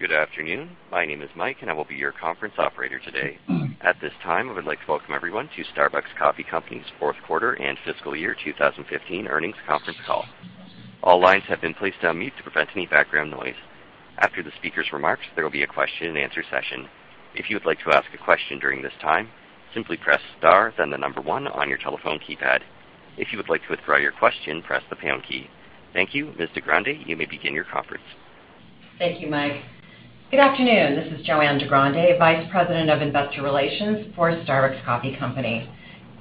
Good afternoon. My name is Mike, and I will be your conference operator today. At this time, I would like to welcome everyone to Starbucks Coffee Company's fourth quarter and fiscal year 2015 earnings conference call. All lines have been placed on mute to prevent any background noise. After the speaker's remarks, there will be a question and answer session. If you would like to ask a question during this time, simply press star then the number 1 on your telephone keypad. If you would like to withdraw your question, press the pound key. Thank you. Ms. DeGrande, you may begin your conference. Thank you, Mike. Good afternoon. This is JoAnn DeGrande, Vice President of Investor Relations for Starbucks Coffee Company.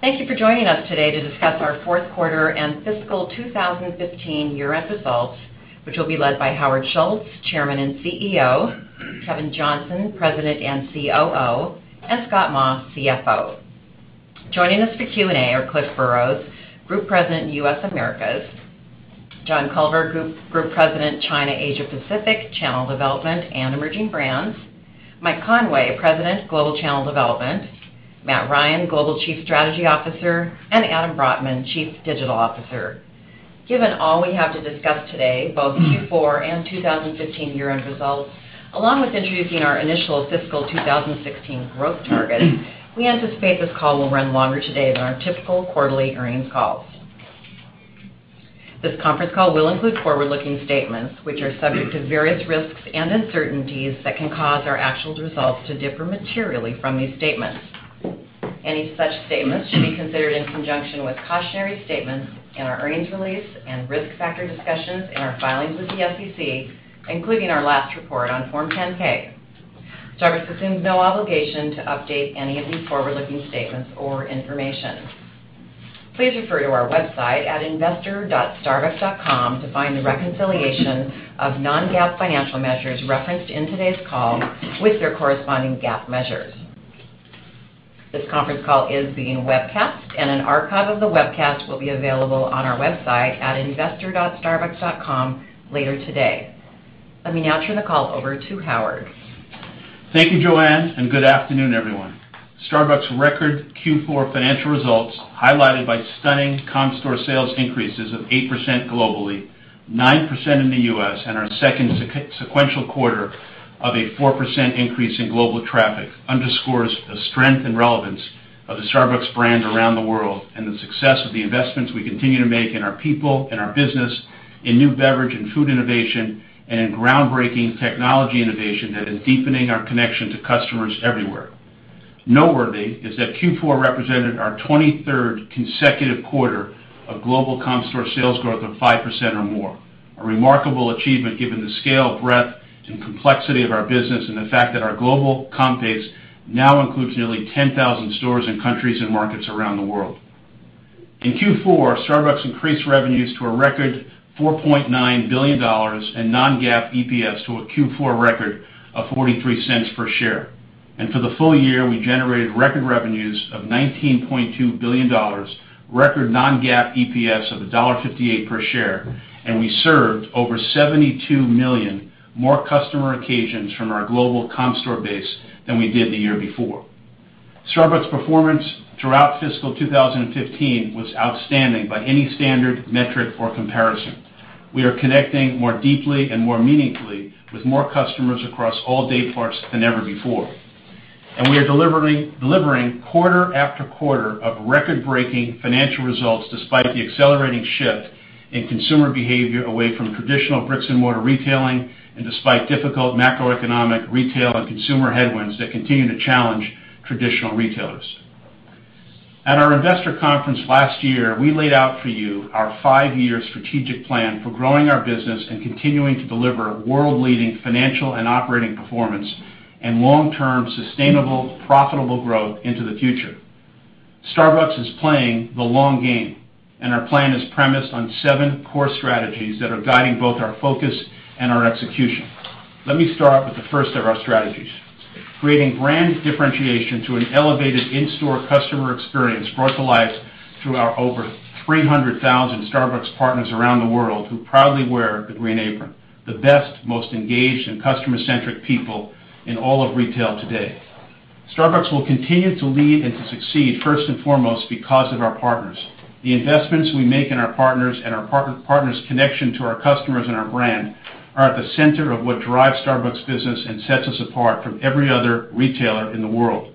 Thank you for joining us today to discuss our fourth quarter and fiscal 2015 year-end results, which will be led by Howard Schultz, Chairman and CEO, Kevin Johnson, President and COO, and Scott Maw, CFO. Joining us for Q&A are Cliff Burrows, Group President, U.S. Americas; John Culver, Group President, China, Asia Pacific, Channel Development, and Emerging Brands; Michael Conway, President, Global Channel Development; Matthew Ryan, Global Chief Strategy Officer; and Adam Brotman, Chief Digital Officer. Given all we have to discuss today, both Q4 and 2015 year-end results, along with introducing our initial fiscal 2016 growth targets, we anticipate this call will run longer today than our typical quarterly earnings calls. This conference call will include forward-looking statements, which are subject to various risks and uncertainties that can cause our actual results to differ materially from these statements. Any such statements should be considered in conjunction with cautionary statements in our earnings release and risk factor discussions in our filings with the SEC, including our last report on Form 10-K. Starbucks assumes no obligation to update any of these forward-looking statements or information. Please refer to our website at investor.starbucks.com to find the reconciliation of non-GAAP financial measures referenced in today's call with their corresponding GAAP measures. This conference call is being webcast, and an archive of the webcast will be available on our website at investor.starbucks.com later today. Let me now turn the call over to Howard. Thank you, JoAnn, and good afternoon, everyone. Starbucks' record Q4 financial results, highlighted by stunning comp store sales increases of 8% globally, 9% in the U.S., and our second sequential quarter of a 4% increase in global traffic underscores the strength and relevance of the Starbucks brand around the world and the success of the investments we continue to make in our people, in our business, in new beverage and food innovation, and in groundbreaking technology innovation that is deepening our connection to customers everywhere. Noteworthy is that Q4 represented our 23rd consecutive quarter of global comp store sales growth of 5% or more. A remarkable achievement given the scale, breadth, and complexity of our business, and the fact that our global comp base now includes nearly 10,000 stores in countries and markets around the world. In Q4, Starbucks increased revenues to a record $4.9 billion and non-GAAP EPS to a Q4 record of $0.43 per share. For the full year, we generated record revenues of $19.2 billion, record non-GAAP EPS of $1.58 per share, and we served over 72 million more customer occasions from our global comp store base than we did the year before. Starbucks' performance throughout fiscal 2015 was outstanding by any standard metric or comparison. We are connecting more deeply and more meaningfully with more customers across all day parts than ever before. We are delivering quarter after quarter of record-breaking financial results despite the accelerating shift in consumer behavior away from traditional bricks and mortar retailing, and despite difficult macroeconomic, retail, and consumer headwinds that continue to challenge traditional retailers. At our Investor Day last year, we laid out for you our five-year strategic plan for growing our business and continuing to deliver world-leading financial and operating performance and long-term sustainable, profitable growth into the future. Starbucks is playing the long game. Our plan is premised on seven core strategies that are guiding both our focus and our execution. Let me start with the first of our strategies. Creating brand differentiation to an elevated in-store customer experience brought to life through our over 300,000 Starbucks partners around the world who proudly wear the green apron. The best, most engaged, and customer-centric people in all of retail today. Starbucks will continue to lead and to succeed first and foremost because of our partners. The investments we make in our partners and our partners' connection to our customers and our brand are at the center of what drives Starbucks business and sets us apart from every other retailer in the world.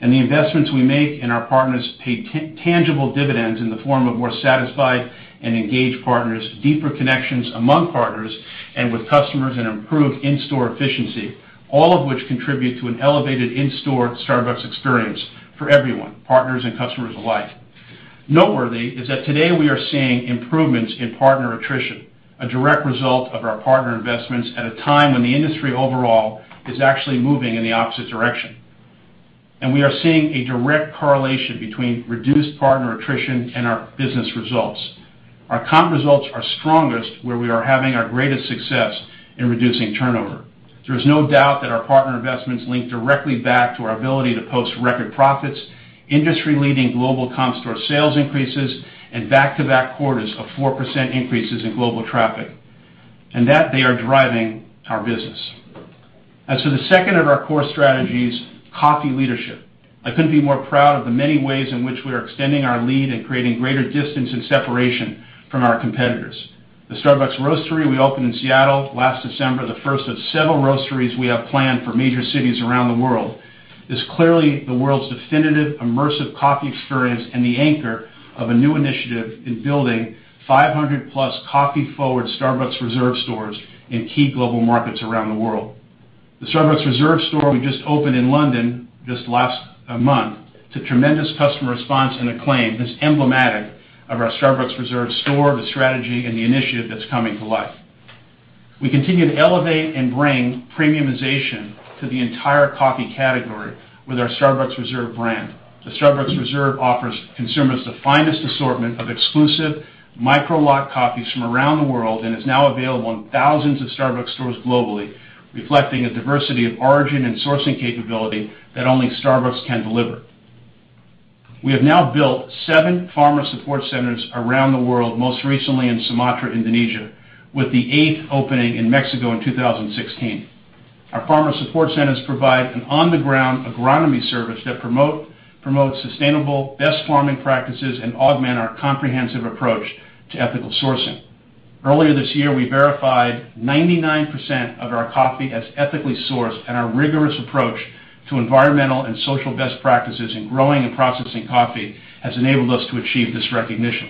The investments we make in our partners pay tangible dividends in the form of more satisfied and engaged partners, deeper connections among partners and with customers, and improved in-store efficiency, all of which contribute to an elevated in-store Starbucks experience for everyone, partners and customers alike. Noteworthy is that today we are seeing improvements in partner attrition, a direct result of our partner investments at a time when the industry overall is actually moving in the opposite direction. We are seeing a direct correlation between reduced partner attrition and our business results. Our comp results are strongest where we are having our greatest success in reducing turnover. There is no doubt that our partner investments link directly back to our ability to post record profits, industry-leading global comp store sales increases, and back-to-back quarters of 4% increases in global traffic. That they are driving our business. As for the second of our core strategies, coffee leadership, I couldn't be more proud of the many ways in which we are extending our lead and creating greater distance and separation from our competitors. The Starbucks Reserve Roastery we opened in Seattle last December, the first of several roasteries we have planned for major cities around the world, is clearly the world's definitive immersive coffee experience and the anchor of a new initiative in building 500-plus coffee-forward Starbucks Reserve stores in key global markets around the world. The Starbucks Reserve store we just opened in London just last month, to tremendous customer response and acclaim, is emblematic of our Starbucks Reserve store, the strategy, and the initiative that's coming to life. We continue to elevate and bring premiumization to the entire coffee category with our Starbucks Reserve brand. The Starbucks Reserve offers consumers the finest assortment of exclusive micro lot coffees from around the world and is now available in thousands of Starbucks stores globally, reflecting a diversity of origin and sourcing capability that only Starbucks can deliver. We have now built seven farmer support centers around the world, most recently in Sumatra, Indonesia, with the eighth opening in Mexico in 2016. Our farmer support centers provide an on-the-ground agronomy service that promotes sustainable best farming practices and augments our comprehensive approach to ethical sourcing. Earlier this year, we verified 99% of our coffee as ethically sourced. Our rigorous approach to environmental and social best practices in growing and processing coffee has enabled us to achieve this recognition.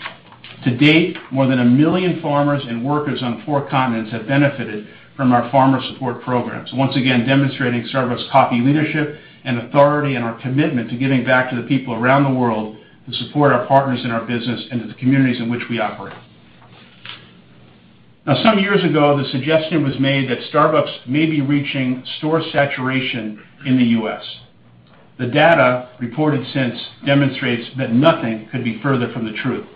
To date, more than a million farmers and workers on four continents have benefited from our farmer support programs. Once again, demonstrating Starbucks coffee leadership and authority, and our commitment to giving back to the people around the world who support our partners and our business and to the communities in which we operate. Some years ago, the suggestion was made that Starbucks may be reaching store saturation in the U.S. The data reported since demonstrates that nothing could be further from the truth.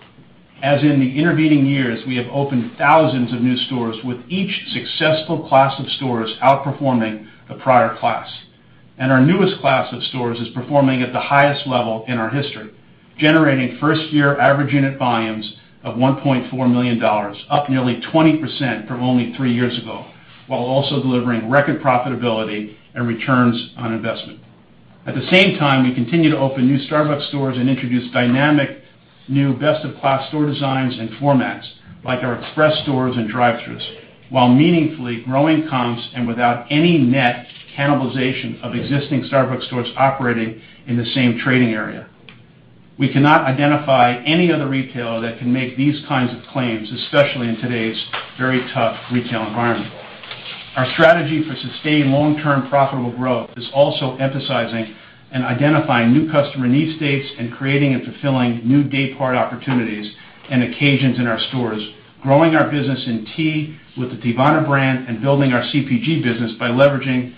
In the intervening years, we have opened thousands of new stores, with each successful class of stores outperforming the prior class. Our newest class of stores is performing at the highest level in our history, generating first-year average unit volumes of $1.4 million, up nearly 20% from only three years ago, while also delivering record profitability and returns on investment. At the same time, we continue to open new Starbucks stores and introduce dynamic new best-of-class store designs and formats like our Express stores and drive-throughs, while meaningfully growing comps and without any net cannibalization of existing Starbucks stores operating in the same trading area. We cannot identify any other retailer that can make these kinds of claims, especially in today's very tough retail environment. Our strategy for sustained long-term profitable growth is also emphasizing and identifying new customer need states and creating and fulfilling new daypart opportunities and occasions in our stores, growing our business in tea with the Teavana brand, and building our CPG business by leveraging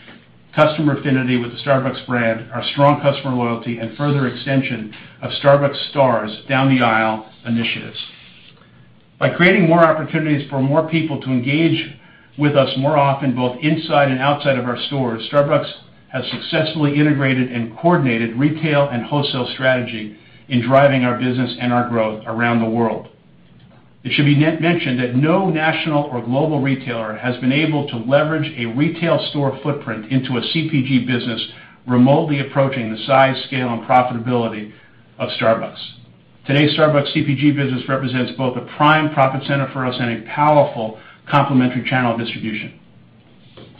customer affinity with the Starbucks brand, our strong customer loyalty, and further extension of Starbucks Stars Down the Aisle initiatives. By creating more opportunities for more people to engage with us more often, both inside and outside of our stores, Starbucks has successfully integrated and coordinated retail and wholesale strategy in driving our business and our growth around the world. It should be mentioned that no national or global retailer has been able to leverage a retail store footprint into a CPG business remotely approaching the size, scale, and profitability of Starbucks. Today, Starbucks CPG business represents both a prime profit center for us and a powerful complementary channel of distribution.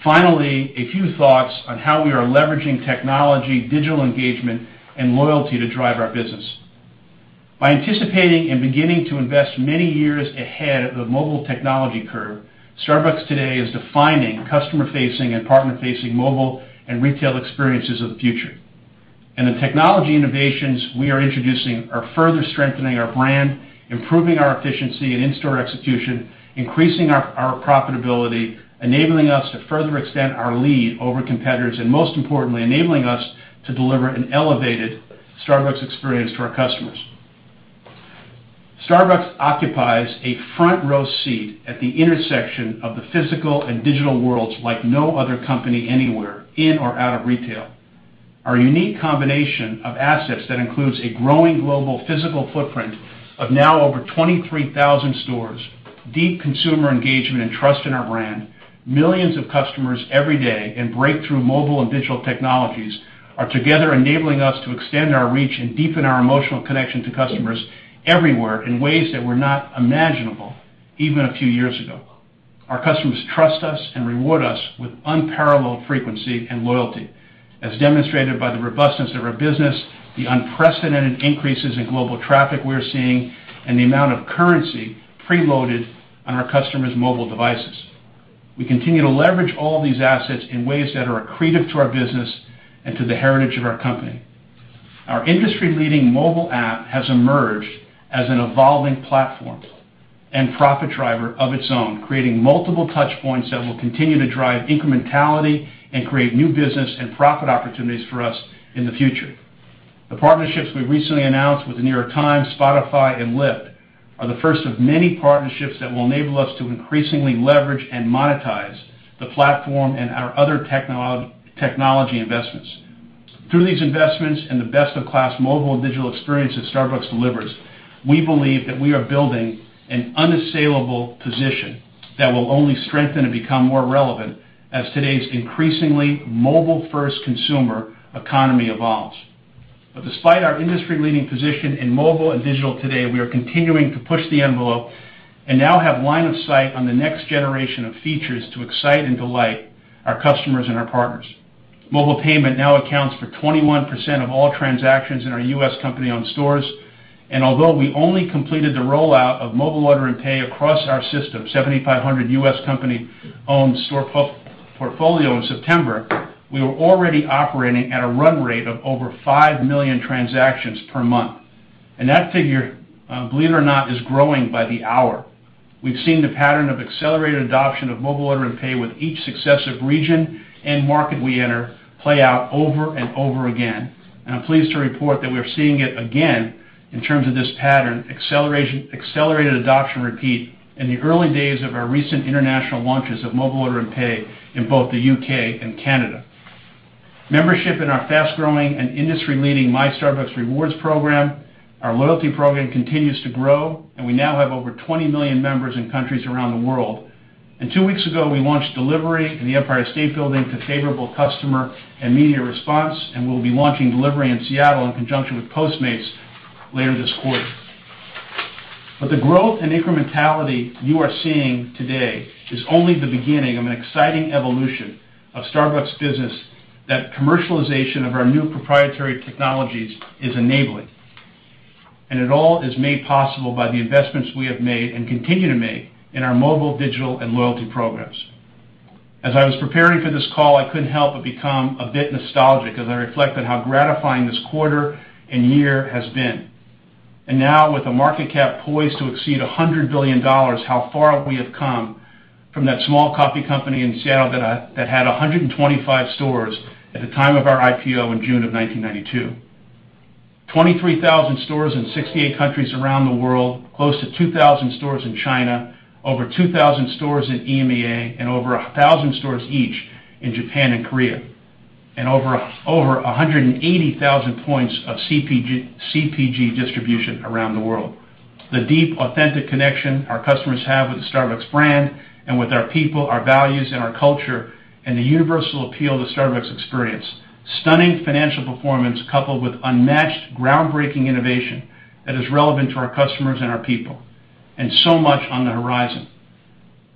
Finally, a few thoughts on how we are leveraging technology, digital engagement, and loyalty to drive our business. By anticipating and beginning to invest many years ahead of the mobile technology curve, Starbucks today is defining customer-facing and partner-facing mobile and retail experiences of the future. The technology innovations we are introducing are further strengthening our brand, improving our efficiency and in-store execution, increasing our profitability, enabling us to further extend our lead over competitors, and most importantly, enabling us to deliver an elevated Starbucks experience to our customers. Starbucks occupies a front row seat at the intersection of the physical and digital worlds like no other company anywhere, in or out of retail. Our unique combination of assets that includes a growing global physical footprint of now over 23,000 stores, deep consumer engagement and trust in our brand, millions of customers every day, and breakthrough mobile and digital technologies are together enabling us to extend our reach and deepen our emotional connection to customers everywhere in ways that were not imaginable even a few years ago. Our customers trust us and reward us with unparalleled frequency and loyalty. As demonstrated by the robustness of our business, the unprecedented increases in global traffic we're seeing, and the amount of currency preloaded on our customers' mobile devices. We continue to leverage all these assets in ways that are accretive to our business and to the heritage of our company. Our industry-leading mobile app has emerged as an evolving platform and profit driver of its own, creating multiple touchpoints that will continue to drive incrementality and create new business and profit opportunities for us in the future. The partnerships we recently announced with The New York Times, Spotify, and Lyft are the first of many partnerships that will enable us to increasingly leverage and monetize the platform and our other technology investments. Through these investments and the best-of-class mobile and digital experience that Starbucks delivers, we believe that we are building an unassailable position that will only strengthen and become more relevant as today's increasingly mobile-first consumer economy evolves. Despite our industry-leading position in mobile and digital today, we are continuing to push the envelope and now have line of sight on the next generation of features to excite and delight our customers and our partners. Mobile payment now accounts for 21% of all transactions in our U.S. company-owned stores, and although we only completed the rollout of Mobile Order & Pay across our system, 7,500 U.S. company-owned store portfolio in September, we were already operating at a run rate of over five million transactions per month. That figure, believe it not, is growing by the hour. We've seen the pattern of accelerated adoption of Mobile Order & Pay with each successive region and market we enter, play out over and over again. I'm pleased to report that we're seeing it again in terms of this pattern, accelerated adoption repeat in the early days of our recent international launches of Mobile Order & Pay in both the U.K. and Canada. Membership in our fast-growing and industry-leading Starbucks Rewards program, our loyalty program, continues to grow. We now have over 20 million members in countries around the world. Two weeks ago, we launched delivery in the Empire State Building to favorable customer and media response. We will be launching delivery in Seattle in conjunction with Postmates later this quarter. The growth and incrementality you are seeing today is only the beginning of an exciting evolution of Starbucks business that commercialization of our new proprietary technologies is enabling. It all is made possible by the investments we have made and continue to make in our mobile, digital, and loyalty programs. As I was preparing for this call, I couldn't help but become a bit nostalgic as I reflect on how gratifying this quarter and year has been. Now with a market cap poised to exceed $100 billion, how far we have come from that small coffee company in Seattle that had 125 stores at the time of our IPO in June of 1992. 23,000 stores in 68 countries around the world, close to 2,000 stores in China, over 2,000 stores in EMEA, and over 1,000 stores each in Japan and Korea. Over 180,000 points of CPG distribution around the world. The deep, authentic connection our customers have with the Starbucks brand and with our people, our values, and our culture, and the universal appeal of the Starbucks experience. Stunning financial performance coupled with unmatched, groundbreaking innovation that is relevant to our customers and our people, and so much on the horizon.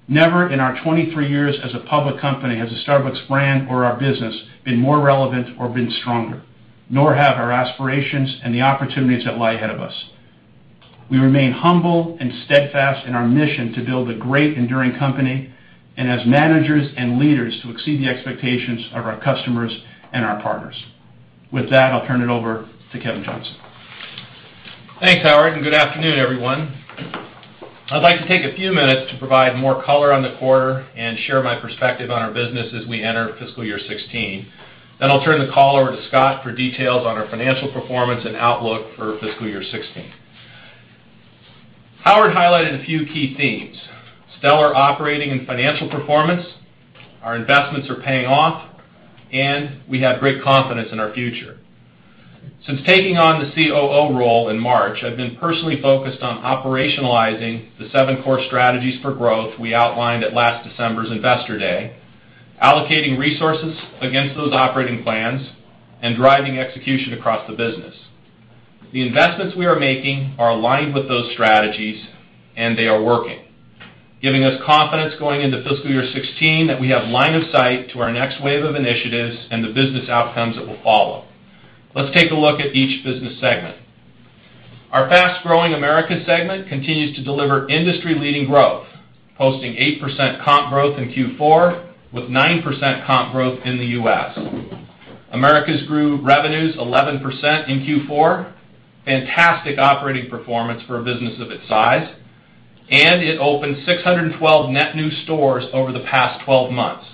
Never in our 23 years as a public company has the Starbucks brand or our business been more relevant or been stronger, nor have our aspirations and the opportunities that lie ahead of us. We remain humble and steadfast in our mission to build a great enduring company, and as managers and leaders, to exceed the expectations of our customers and our partners. With that, I'll turn it over to Kevin Johnson. Thanks, Howard, and good afternoon, everyone. I'd like to take a few minutes to provide more color on the quarter and share my perspective on our business as we enter fiscal year 2016. I'll turn the call over to Scott for details on our financial performance and outlook for fiscal year 2016. Howard highlighted a few key themes. Stellar operating and financial performance. Our investments are paying off, and we have great confidence in our future. Since taking on the COO role in March, I've been personally focused on operationalizing the seven core strategies for growth we outlined at last December's Investor Day, allocating resources against those operating plans, and driving execution across the business. The investments we are making are aligned with those strategies, and they are working, giving us confidence going into fiscal year 2016 that we have line of sight to our next wave of initiatives and the business outcomes that will follow. Let's take a look at each business segment. Our fast-growing Americas segment continues to deliver industry-leading growth, posting 8% comp growth in Q4, with 9% comp growth in the U.S. Americas grew revenues 11% in Q4, fantastic operating performance for a business of its size, and it opened 612 net new stores over the past 12 months.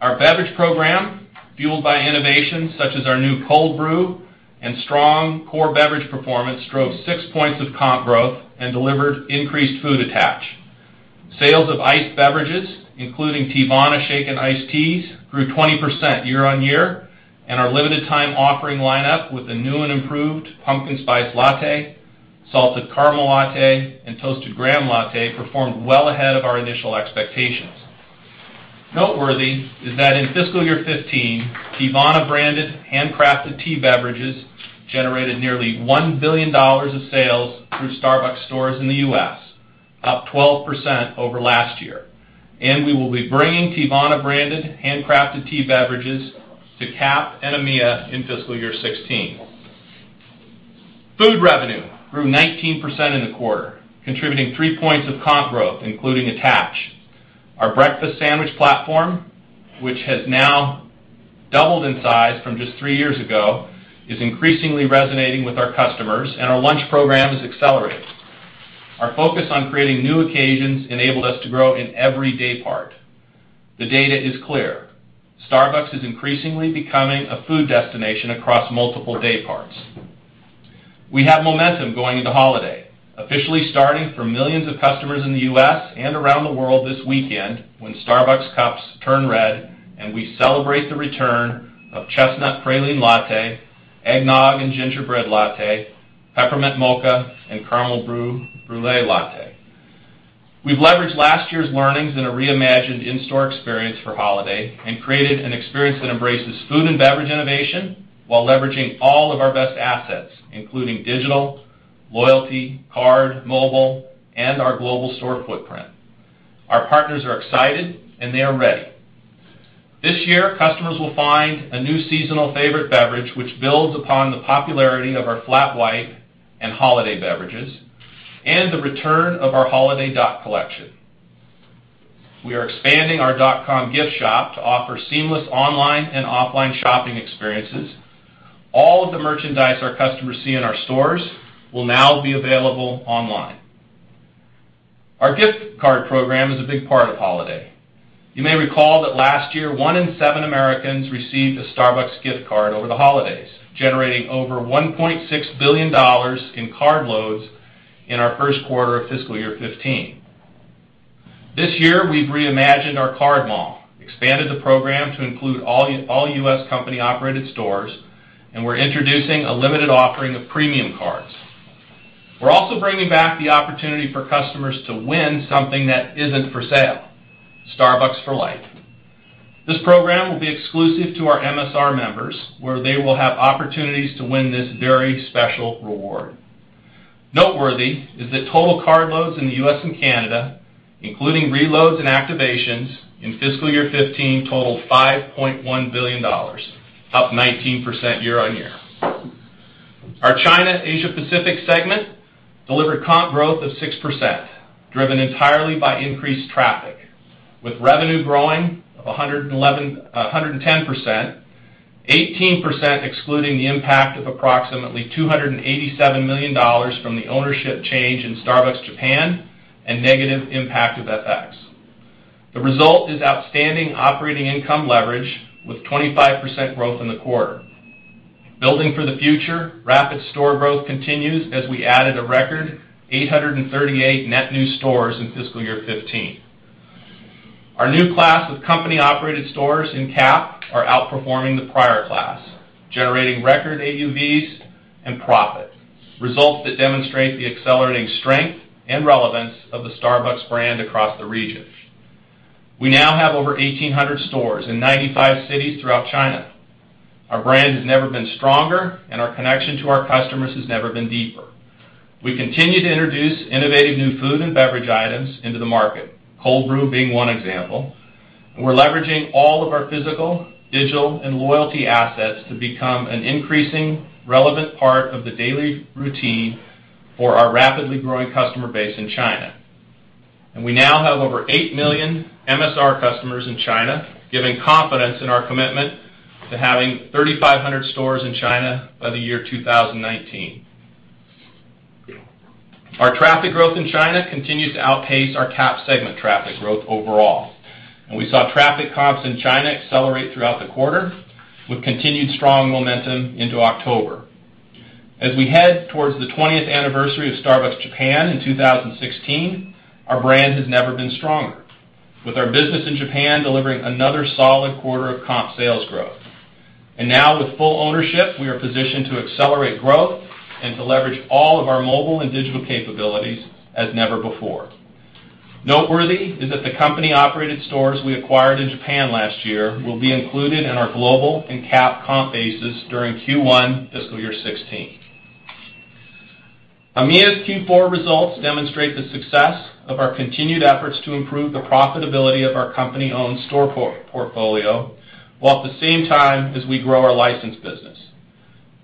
Our beverage program, fueled by innovations such as our new Cold Brew and strong core beverage performance, drove six points of comp growth and delivered increased food attach. Sales of iced beverages, including Teavana Shaken Iced Teas, grew 20% year-on-year, and our limited-time offering lineup with the new and improved Pumpkin Spice Latte, Salted Caramel Latte, and Toasted Graham Latte performed well ahead of our initial expectations. Noteworthy is that in fiscal year 2015, Teavana-branded handcrafted tea beverages generated nearly $1 billion of sales through Starbucks stores in the U.S., up 12% over last year. We will be bringing Teavana-branded handcrafted tea beverages to CAP and EMEA in fiscal year 2016. Food revenue grew 19% in the quarter, contributing three points of comp growth, including attach. Our breakfast sandwich platform, which has now doubled in size from just three years ago, is increasingly resonating with our customers, and our lunch program is accelerating. Our focus on creating new occasions enabled us to grow in every day part. The data is clear. Starbucks is increasingly becoming a food destination across multiple day parts. We have momentum going into holiday, officially starting for millions of customers in the U.S. and around the world this weekend when Starbucks cups turn red, and we celebrate the return of Chestnut Praline Latte, Eggnog Latte, Gingerbread Latte, Peppermint Mocha, and Caramel Brûlée Latte. We've leveraged last year's learnings in a reimagined in-store experience for holiday and created an experience that embraces food and beverage innovation while leveraging all of our best assets, including digital, loyalty, card, mobile, and our global store footprint. Our partners are excited, and they are ready. This year, customers will find a new seasonal favorite beverage which builds upon the popularity of our Flat White and holiday beverages and the return of our holiday Dot Collection. We are expanding our dot-com gift shop to offer seamless online and offline shopping experiences. All of the merchandise our customers see in our stores will now be available online. Our gift card program is a big part of holiday. You may recall that last year, one in seven Americans received a Starbucks gift card over the holidays, generating over $1.6 billion in card loads in our first quarter of fiscal year 2015. This year, we've reimagined our card model, expanded the program to include all U.S. company-operated stores, and we're introducing a limited offering of premium cards. We're also bringing back the opportunity for customers to win something that isn't for sale, Starbucks for Life. This program will be exclusive to our MSR members, where they will have opportunities to win this very special reward. Noteworthy is that total card loads in the U.S. and Canada, including reloads and activations, in fiscal year 2015 totaled $5.1 billion, up 19% year-on-year. Our China and Asia Pacific segment delivered comp growth of 6%, driven entirely by increased traffic, with revenue growing of 110%, 18% excluding the impact of approximately $287 million from the ownership change in Starbucks Japan, and negative impact of FX. The result is outstanding operating income leverage with a 25% growth in the quarter. Building for the future, rapid store growth continues as we added a record 838 net new stores in fiscal year 2015. Our new class of company-operated stores in CAP are outperforming the prior class, generating record AUVs and profit, results that demonstrate the accelerating strength and relevance of the Starbucks brand across the region. We now have over 1,800 stores in 95 cities throughout China. Our brand has never been stronger, and our connection to our customers has never been deeper. We continue to introduce innovative new food and beverage items into the market, Cold Brew being one example. We're leveraging all of our physical, digital and loyalty assets to become an increasingly relevant part of the daily routine for our rapidly growing customer base in China. We now have over 8 million MSR customers in China, giving confidence in our commitment to having 3,500 stores in China by the year 2019. Our traffic growth in China continues to outpace our CAP segment traffic growth overall, and we saw traffic comps in China accelerate throughout the quarter with continued strong momentum into October. As we head towards the 20th anniversary of Starbucks Japan in 2016, our brand has never been stronger, with our business in Japan delivering another solid quarter of comp sales growth. Now with full ownership, we are positioned to accelerate growth and to leverage all of our mobile and digital capabilities as never before. Noteworthy is that the company-operated stores we acquired in Japan last year will be included in our global and CAP comp basis during Q1 fiscal year 2016. EMEA's Q4 results demonstrate the success of our continued efforts to improve the profitability of our company-owned store portfolio, while at the same time as we grow our licensed business.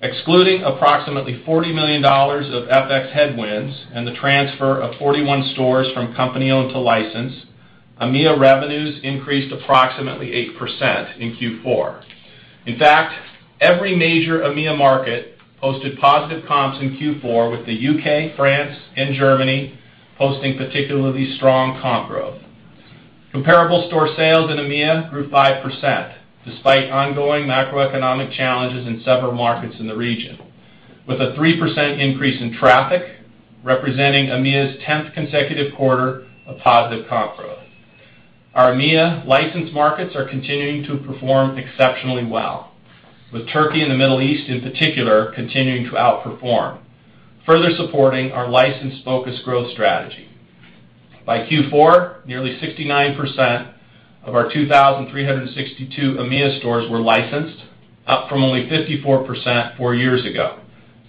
Excluding approximately $40 million of FX headwinds and the transfer of 41 stores from company-owned to licensed, EMEA revenues increased approximately 8% in Q4. In fact, every major EMEA market posted positive comps in Q4, with the U.K., France, and Germany posting particularly strong comp growth. Comparable store sales in EMEA grew 5%, despite ongoing macroeconomic challenges in several markets in the region. With a 3% increase in traffic, representing EMEA's 10th consecutive quarter of positive comp growth. Our EMEA licensed markets are continuing to perform exceptionally well, with Turkey and the Middle East, in particular, continuing to outperform, further supporting our licensed focus growth strategy. By Q4, nearly 69% of our 2,362 EMEA stores were licensed, up from only 54% four years ago,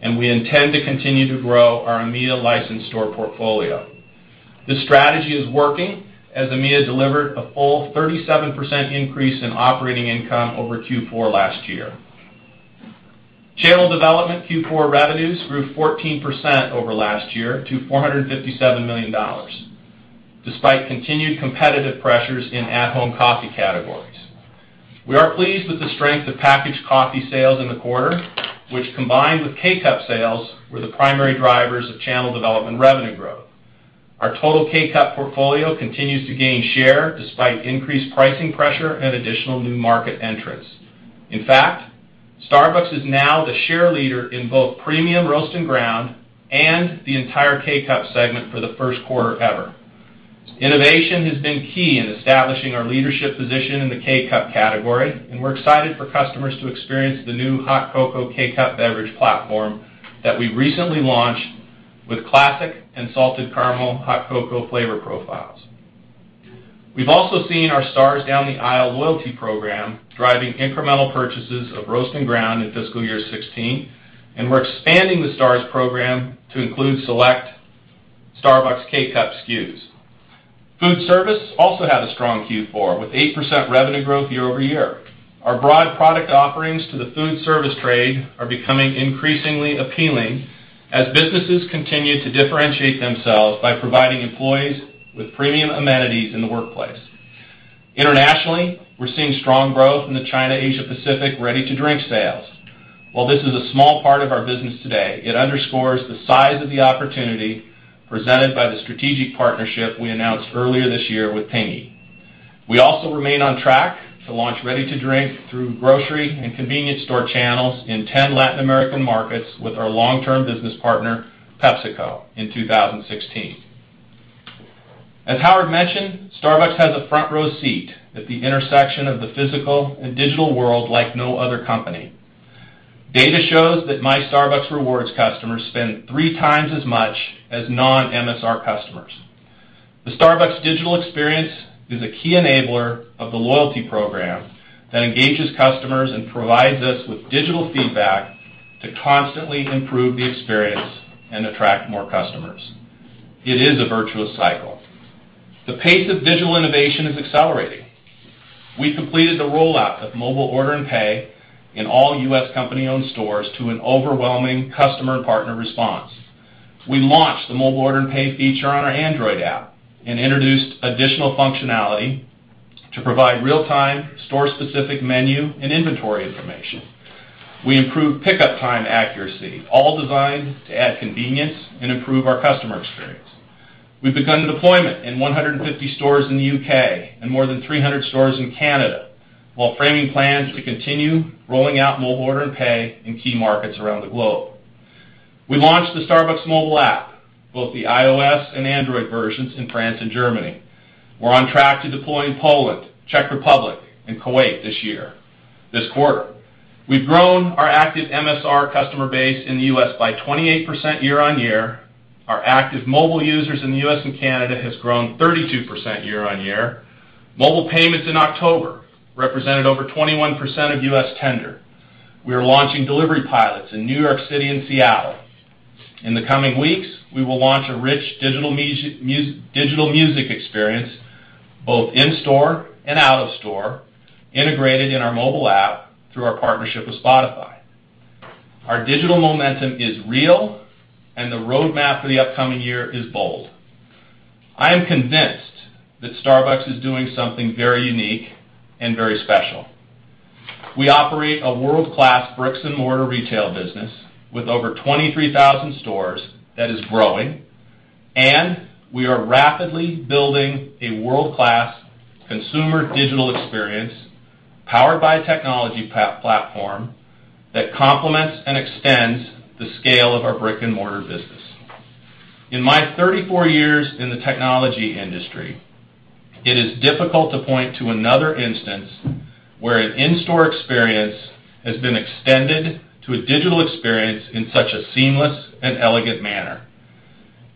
and we intend to continue to grow our EMEA licensed store portfolio. This strategy is working as EMEA delivered a full 37% increase in operating income over Q4 last year. Channel development Q4 revenues grew 14% over last year to $457 million, despite continued competitive pressures in at-home coffee categories. We are pleased with the strength of packaged coffee sales in the quarter, which combined with K-Cup sales, were the primary drivers of channel development revenue growth. Our total K-Cup portfolio continues to gain share despite increased pricing pressure and additional new market entrants. In fact, Starbucks is now the share leader in both premium roast and ground and the entire K-Cup segment for the first quarter ever. Innovation has been key in establishing our leadership position in the K-Cup category, and we are excited for customers to experience the new hot cocoa K-Cup beverage platform that we recently launched with classic and salted caramel hot cocoa flavor profiles. We have also seen our Stars Down the Aisle loyalty program driving incremental purchases of roast and ground in fiscal year 2016, and we are expanding the Stars program to include select Starbucks K-Cup SKUs. Food service also had a strong Q4, with 8% revenue growth year-over-year. Our broad product offerings to the food service trade are becoming increasingly appealing as businesses continue to differentiate themselves by providing employees with premium amenities in the workplace. Internationally, we are seeing strong growth in the China and Asia Pacific ready-to-drink sales. While this is a small part of our business today, it underscores the size of the opportunity presented by the strategic partnership we announced earlier this year with Tingyi. We also remain on track to launch ready-to-drink through grocery and convenience store channels in 10 Latin American markets with our long-term business partner, PepsiCo, in 2016. As Howard mentioned, Starbucks has a front-row seat at the intersection of the physical and digital world like no other company. Data shows that My Starbucks Rewards customers spend three times as much as non-MSR customers. The Starbucks digital experience is a key enabler of the loyalty program that engages customers and provides us with digital feedback to constantly improve the experience and attract more customers. It is a virtuous cycle. The pace of digital innovation is accelerating. We completed the rollout of Mobile Order & Pay in all U.S. company-owned stores to an overwhelming customer and partner response. We launched the Mobile Order & Pay feature on our Android app and introduced additional functionality to provide real-time, store-specific menu and inventory information. We improved pickup time accuracy, all designed to add convenience and improve our customer experience. We have begun deployment in 150 stores in the U.K. and more than 300 stores in Canada, while framing plans to continue rolling out Mobile Order & Pay in key markets around the globe. We launched the Starbucks mobile app, both the iOS and Android versions, in France and Germany. We are on track to deploy in Poland, Czech Republic, and Kuwait this year. This quarter, we have grown our active MSR customer base in the U.S. by 28% year-on-year. Our active mobile users in the U.S. and Canada has grown 32% year-on-year. Mobile payments in October represented over 21% of U.S. tender. We are launching delivery pilots in New York City and Seattle. In the coming weeks, we will launch a rich digital music experience, both in-store and out-of-store, integrated in our mobile app through our partnership with Spotify. Our digital momentum is real, and the roadmap for the upcoming year is bold. I am convinced that Starbucks is doing something very unique and very special. We operate a world-class brick-and-mortar retail business with over 23,000 stores that is growing, and we are rapidly building a world-class consumer digital experience powered by a technology platform that complements and extends the scale of our brick-and-mortar business. In my 34 years in the technology industry, it is difficult to point to another instance where an in-store experience has been extended to a digital experience in such a seamless and elegant manner.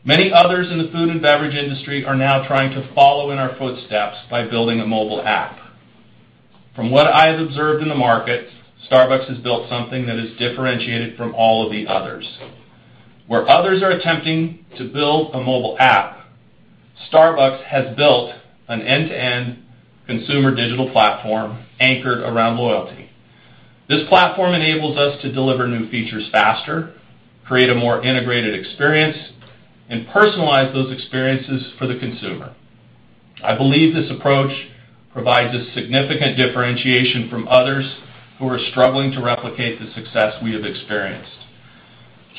Many others in the food and beverage industry are now trying to follow in our footsteps by building a mobile app. From what I have observed in the market, Starbucks has built something that is differentiated from all of the others. Where others are attempting to build a mobile app, Starbucks has built an end-to-end consumer digital platform anchored around loyalty. This platform enables us to deliver new features faster, create a more integrated experience, and personalize those experiences for the consumer. I believe this approach provides us significant differentiation from others who are struggling to replicate the success we have experienced.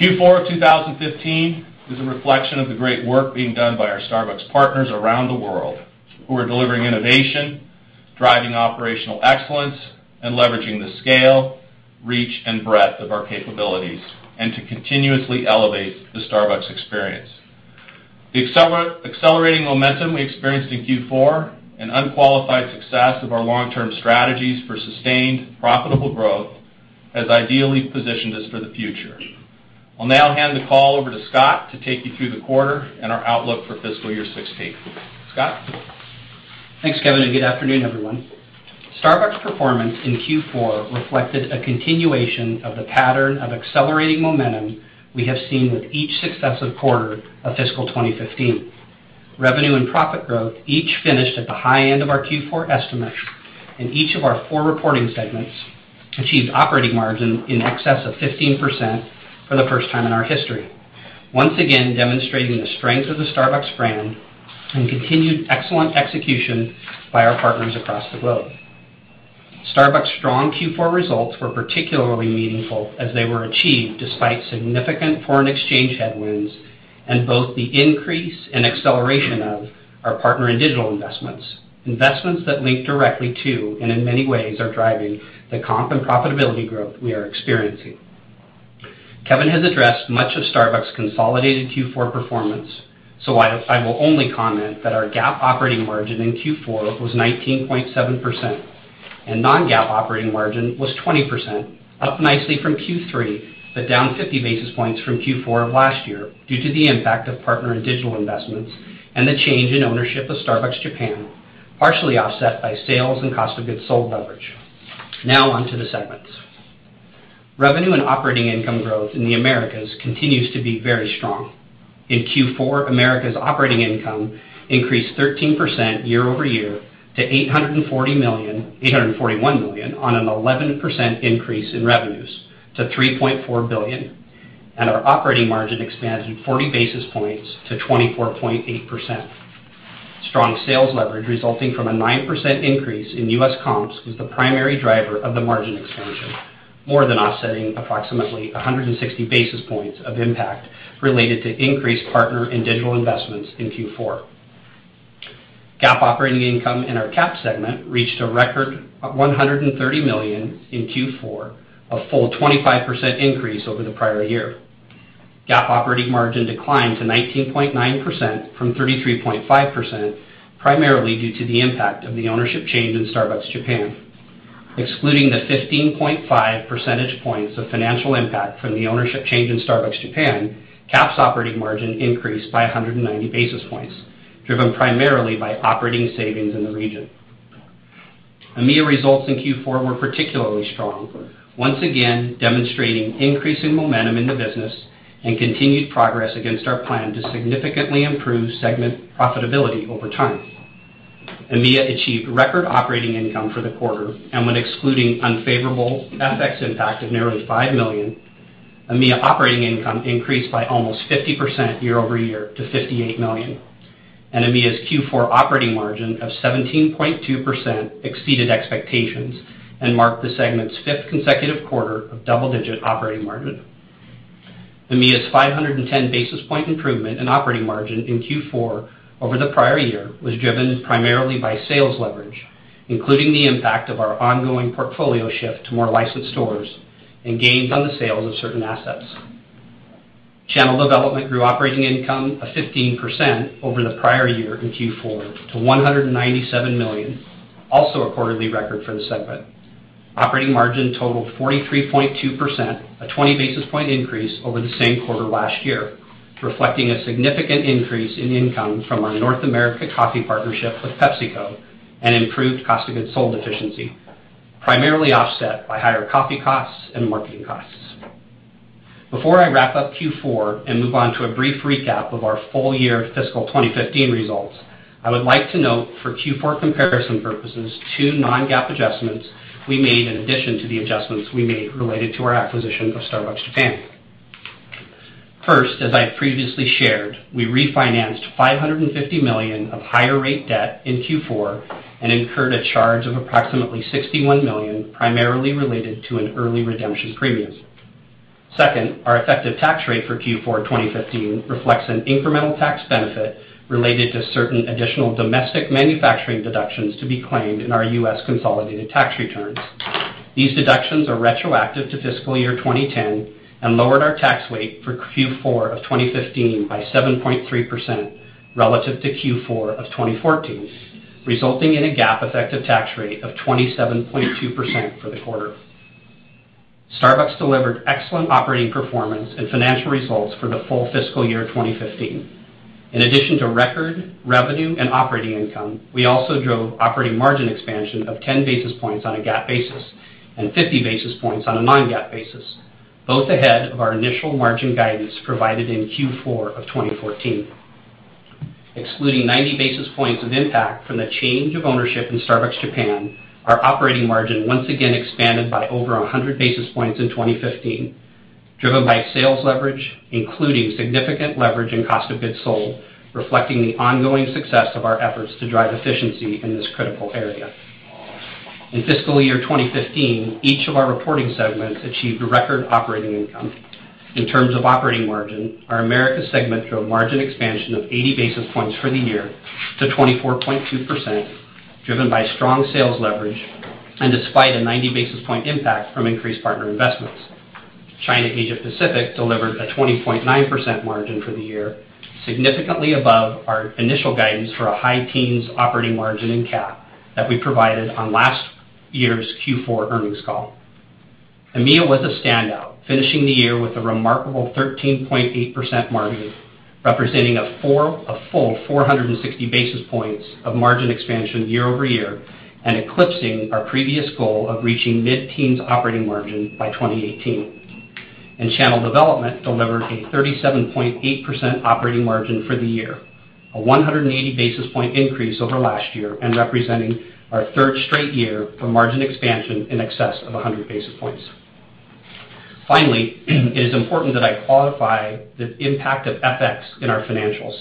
Q4 of 2015 was a reflection of the great work being done by our Starbucks partners around the world, who are delivering innovation, driving operational excellence, and leveraging the scale, reach, and breadth of our capabilities, and to continuously elevate the Starbucks experience. The accelerating momentum we experienced in Q4 and unqualified success of our long-term strategies for sustained, profitable growth has ideally positioned us for the future. I'll now hand the call over to Scott to take you through the quarter and our outlook for fiscal year 2016. Scott? Thanks, Kevin, and good afternoon, everyone. Starbucks' performance in Q4 reflected a continuation of the pattern of accelerating momentum we have seen with each successive quarter of fiscal 2015. Revenue and profit growth each finished at the high end of our Q4 estimates, and each of our four reporting segments achieved operating margin in excess of 15% for the first time in our history. Once again demonstrating the strength of the Starbucks brand and continued excellent execution by our partners across the globe. Starbucks' strong Q4 results were particularly meaningful as they were achieved despite significant foreign exchange headwinds and both the increase and acceleration of our partner in digital investments. Investments that link directly to, and in many ways are driving, the comp and profitability growth we are experiencing. Kevin has addressed much of Starbucks' consolidated Q4 performance. I will only comment that our GAAP operating margin in Q4 was 19.7%, and non-GAAP operating margin was 20%, up nicely from Q3, but down 50 basis points from Q4 of last year due to the impact of partner and digital investments and the change in ownership of Starbucks Japan, partially offset by sales and cost of goods sold leverage. Now on to the segments. Revenue and operating income growth in the Americas continues to be very strong. In Q4, Americas operating income increased 13% year-over-year to $841 million on an 11% increase in revenues to $3.4 billion, and our operating margin expanded 40 basis points to 24.8%. Strong sales leverage resulting from a 9% increase in U.S. comps was the primary driver of the margin expansion, more than offsetting approximately 160 basis points of impact related to increased partner and digital investments in Q4. GAAP operating income in our CAP segment reached a record $130 million in Q4, a full 25% increase over the prior year. GAAP operating margin declined to 19.9% from 33.5%, primarily due to the impact of the ownership change in Starbucks Japan. Excluding the 15.5 percentage points of financial impact from the ownership change in Starbucks Japan, CAP's operating margin increased by 190 basis points, driven primarily by operating savings in the region. EMEA results in Q4 were particularly strong, once again demonstrating increasing momentum in the business and continued progress against our plan to significantly improve segment profitability over time. EMEA achieved record operating income for the quarter, when excluding unfavorable FX impact of nearly $5 million, EMEA operating income increased by almost 50% year-over-year to $58 million. EMEA's Q4 operating margin of 17.2% exceeded expectations and marked the segment's fifth consecutive quarter of double-digit operating margin. EMEA's 510 basis point improvement in operating margin in Q4 over the prior year was driven primarily by sales leverage, including the impact of our ongoing portfolio shift to more licensed stores and gains on the sales of certain assets. Channel development grew operating income of 15% over the prior year in Q4 to $197 million, also a quarterly record for the segment. Operating margin totaled 43.2%, a 20 basis point increase over the same quarter last year, reflecting a significant increase in income from our North America coffee partnership with PepsiCo and improved cost of goods sold efficiency, primarily offset by higher coffee costs and marketing costs. Before I wrap up Q4 and move on to a brief recap of our full year fiscal 2015 results, I would like to note, for Q4 comparison purposes, two non-GAAP adjustments we made in addition to the adjustments we made related to our acquisition of Starbucks Japan. First, as I previously shared, I refinanced $550 million of higher rate debt in Q4 and incurred a charge of approximately $61 million, primarily related to an early redemption premium. Second, our effective tax rate for Q4 2015 reflects an incremental tax benefit related to certain additional domestic manufacturing deductions to be claimed in our U.S. consolidated tax returns. These deductions are retroactive to fiscal year 2010 and lowered our tax rate for Q4 of 2015 by 7.3% relative to Q4 of 2014, resulting in a GAAP effective tax rate of 27.2% for the quarter. Starbucks delivered excellent operating performance and financial results for the full fiscal year 2015. In addition to record revenue and operating income, we also drove operating margin expansion of 10 basis points on a GAAP basis and 50 basis points on a non-GAAP basis, both ahead of our initial margin guidance provided in Q4 of 2014. Excluding 90 basis points of impact from the change of ownership in Starbucks Japan, our operating margin once again expanded by over 100 basis points in 2015, driven by sales leverage, including significant leverage in cost of goods sold, reflecting the ongoing success of our efforts to drive efficiency in this critical area. In fiscal year 2015, each of our reporting segments achieved a record operating income. In terms of operating margin, our Americas segment drove margin expansion of 80 basis points for the year to 24.2%, driven by strong sales leverage and despite a 90 basis point impact from increased partner investments. China Asia Pacific delivered a 20.9% margin for the year, significantly above our initial guidance for a high teens operating margin in CAP that we provided on last year's Q4 earnings call. EMEA was a standout, finishing the year with a remarkable 13.8% margin, representing a full 460 basis points of margin expansion year-over-year and eclipsing our previous goal of reaching mid-teens operating margin by 2018. Channel Development delivered a 37.8% operating margin for the year, a 180 basis point increase over last year and representing our third straight year for margin expansion in excess of 100 basis points. Finally, it is important that I qualify the impact of FX in our financials.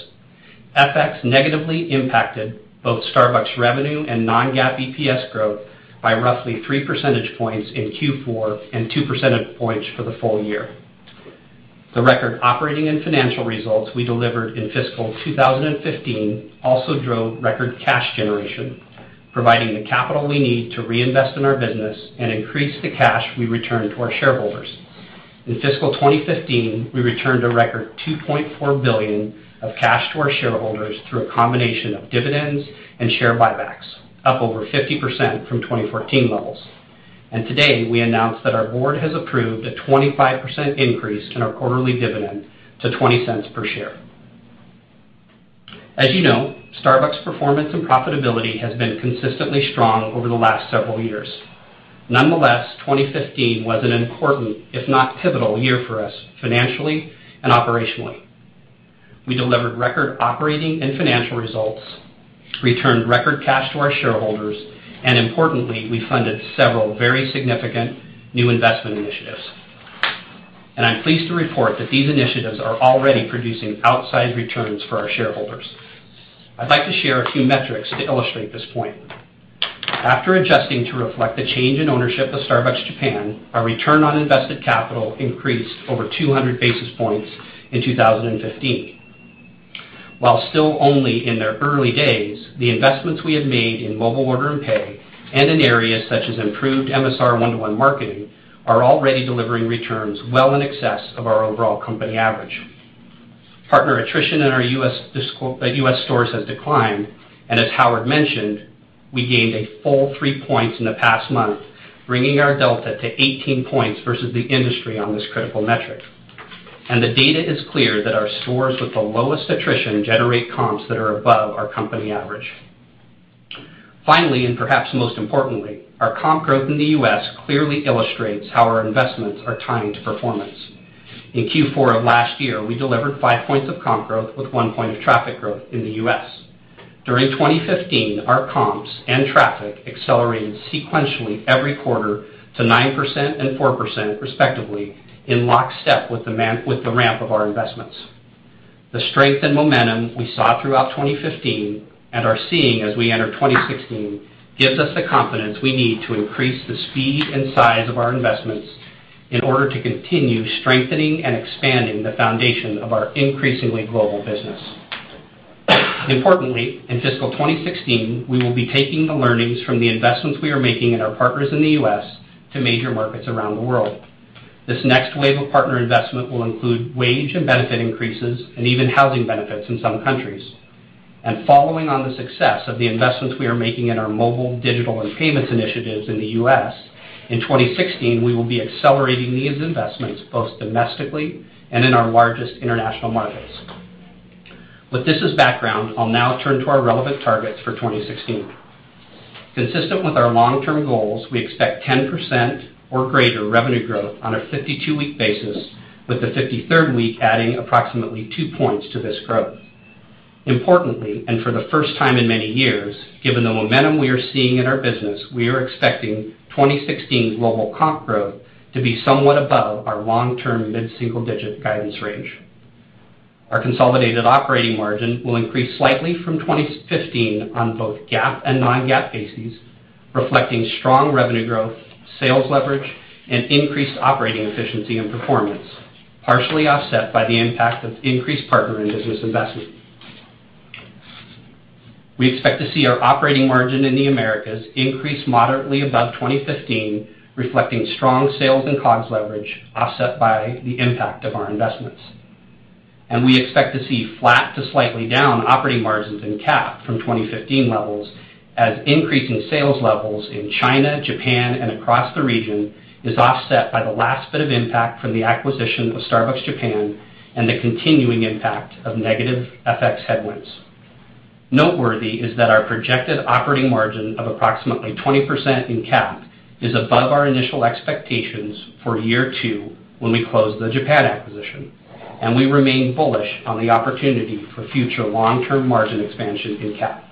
FX negatively impacted both Starbucks revenue and non-GAAP EPS growth by roughly three percentage points in Q4 and two percentage points for the full year. The record operating and financial results we delivered in fiscal 2015 also drove record cash generation, providing the capital we need to reinvest in our business and increase the cash we return to our shareholders. In fiscal 2015, we returned a record $2.4 billion of cash to our shareholders through a combination of dividends and share buybacks, up over 50% from 2014 levels. Today, we announced that our board has approved a 25% increase in our quarterly dividend to $0.20 per share. As you know, Starbucks' performance and profitability has been consistently strong over the last several years. Nonetheless, 2015 was an important, if not pivotal, year for us financially and operationally. We delivered record operating and financial results, returned record cash to our shareholders, importantly, we funded several very significant new investment initiatives. I'm pleased to report that these initiatives are already producing outsized returns for our shareholders. I'd like to share a few metrics to illustrate this point. After adjusting to reflect the change in ownership of Starbucks Japan, our return on invested capital increased over 200 basis points in 2015. While still only in their early days, the investments we have made in Mobile Order & Pay, and in areas such as improved MSR one-to-one marketing, are already delivering returns well in excess of our overall company average. Partner attrition in our U.S. stores has declined, and as Howard mentioned, we gained a full three points in the past month, bringing our delta to 18 points versus the industry on this critical metric. The data is clear that our stores with the lowest attrition generate comps that are above our company average. Finally, and perhaps most importantly, our comp growth in the U.S. clearly illustrates how our investments are tying to performance. In Q4 of last year, we delivered five points of comp growth with one point of traffic growth in the U.S. During 2015, our comps and traffic accelerated sequentially every quarter to 9% and 4%, respectively, in lockstep with the ramp of our investments. The strength and momentum we saw throughout 2015, and are seeing as we enter 2016, gives us the confidence we need to increase the speed and size of our investments in order to continue strengthening and expanding the foundation of our increasingly global business. Importantly, in fiscal 2016, we will be taking the learnings from the investments we are making in our partners in the U.S. to major markets around the world. This next wave of partner investment will include wage and benefit increases and even housing benefits in some countries. Following on the success of the investments we are making in our mobile, digital, and payments initiatives in the U.S., in 2016, we will be accelerating these investments both domestically and in our largest international markets. With this as background, I'll now turn to our relevant targets for 2016. Consistent with our long-term goals, we expect 10% or greater revenue growth on a 52-week basis, with the 53rd week adding approximately two points to this growth. Importantly, for the first time in many years, given the momentum we are seeing in our business, we are expecting 2016 global comp growth to be somewhat above our long-term mid-single-digit guidance range. Our consolidated operating margin will increase slightly from 2015 on both GAAP and non-GAAP bases, reflecting strong revenue growth, sales leverage, and increased operating efficiency and performance, partially offset by the impact of increased partner and business investment. We expect to see our operating margin in the Americas increase moderately above 2015, reflecting strong sales and COGS leverage, offset by the impact of our investments. We expect to see flat to slightly down operating margins in CAP from 2015 levels as increasing sales levels in China, Japan, and across the region is offset by the last bit of impact from the acquisition of Starbucks Japan and the continuing impact of negative FX headwinds. Noteworthy is that our projected operating margin of approximately 20% in CAP is above our initial expectations for year two when we closed the Japan acquisition, and we remain bullish on the opportunity for future long-term margin expansion in CAP.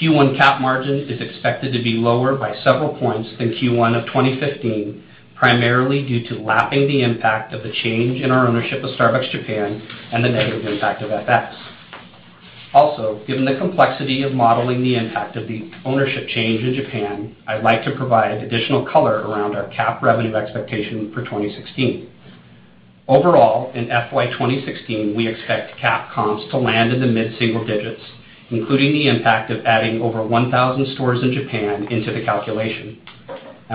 Q1 CAP margin is expected to be lower by several points than Q1 of 2015, primarily due to lapping the impact of the change in our ownership of Starbucks Japan and the negative impact of FX. Given the complexity of modeling the impact of the ownership change in Japan, I'd like to provide additional color around our CAP revenue expectation for 2016. Overall, in FY 2016, we expect CAP comps to land in the mid-single digits, including the impact of adding over 1,000 stores in Japan into the calculation.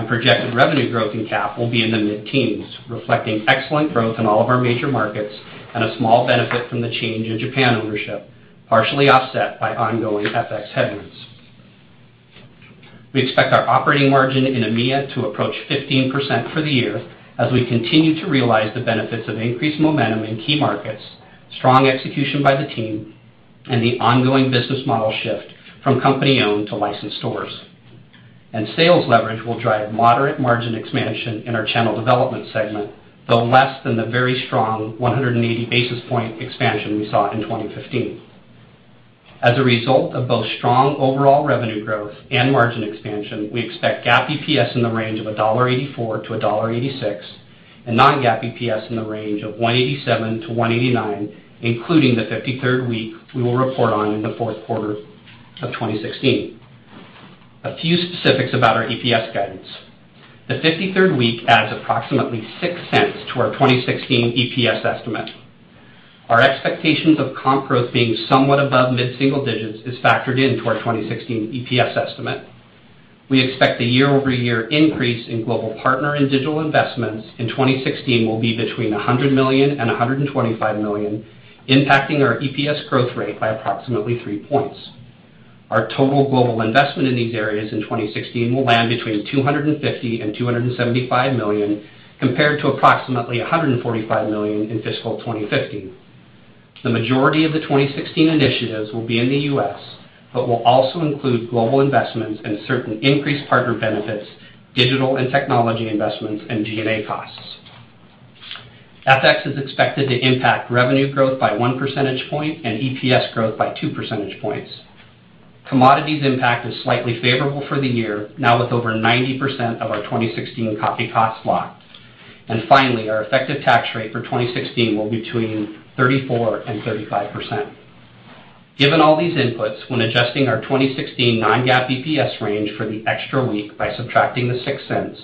Projected revenue growth in CAP will be in the mid-teens, reflecting excellent growth in all of our major markets and a small benefit from the change in Japan ownership, partially offset by ongoing FX headwinds. We expect our operating margin in EMEA to approach 15% for the year as we continue to realize the benefits of increased momentum in key markets, strong execution by the team, and the ongoing business model shift from company-owned to licensed stores. Sales leverage will drive moderate margin expansion in our Channel Development segment, though less than the very strong 180 basis point expansion we saw in 2015. As a result of both strong overall revenue growth and margin expansion, we expect GAAP EPS in the range of $1.84-$1.86 and non-GAAP EPS in the range of $1.87-$1.89, including the 53rd week we will report on in the fourth quarter of 2016. A few specifics about our EPS guidance. The 53rd week adds approximately $0.06 to our 2016 EPS estimate. Our expectations of comp growth being somewhat above mid-single digits is factored into our 2016 EPS estimate. We expect the year-over-year increase in global partner and digital investments in 2016 will be between $100 million and $125 million, impacting our EPS growth rate by approximately three points. Our total global investment in these areas in 2016 will land between $250 million and $275 million, compared to approximately $145 million in fiscal 2015. The majority of the 2016 initiatives will be in the U.S., but will also include global investments and certain increased partner benefits, digital and technology investments, and G&A costs. FX is expected to impact revenue growth by one percentage point and EPS growth by two percentage points. Commodities impact is slightly favorable for the year, now with over 90% of our 2016 coffee costs locked. Finally, our effective tax rate for 2016 will be between 34%-35%. Given all these inputs, when adjusting our 2016 non-GAAP EPS range for the extra week by subtracting the $0.06,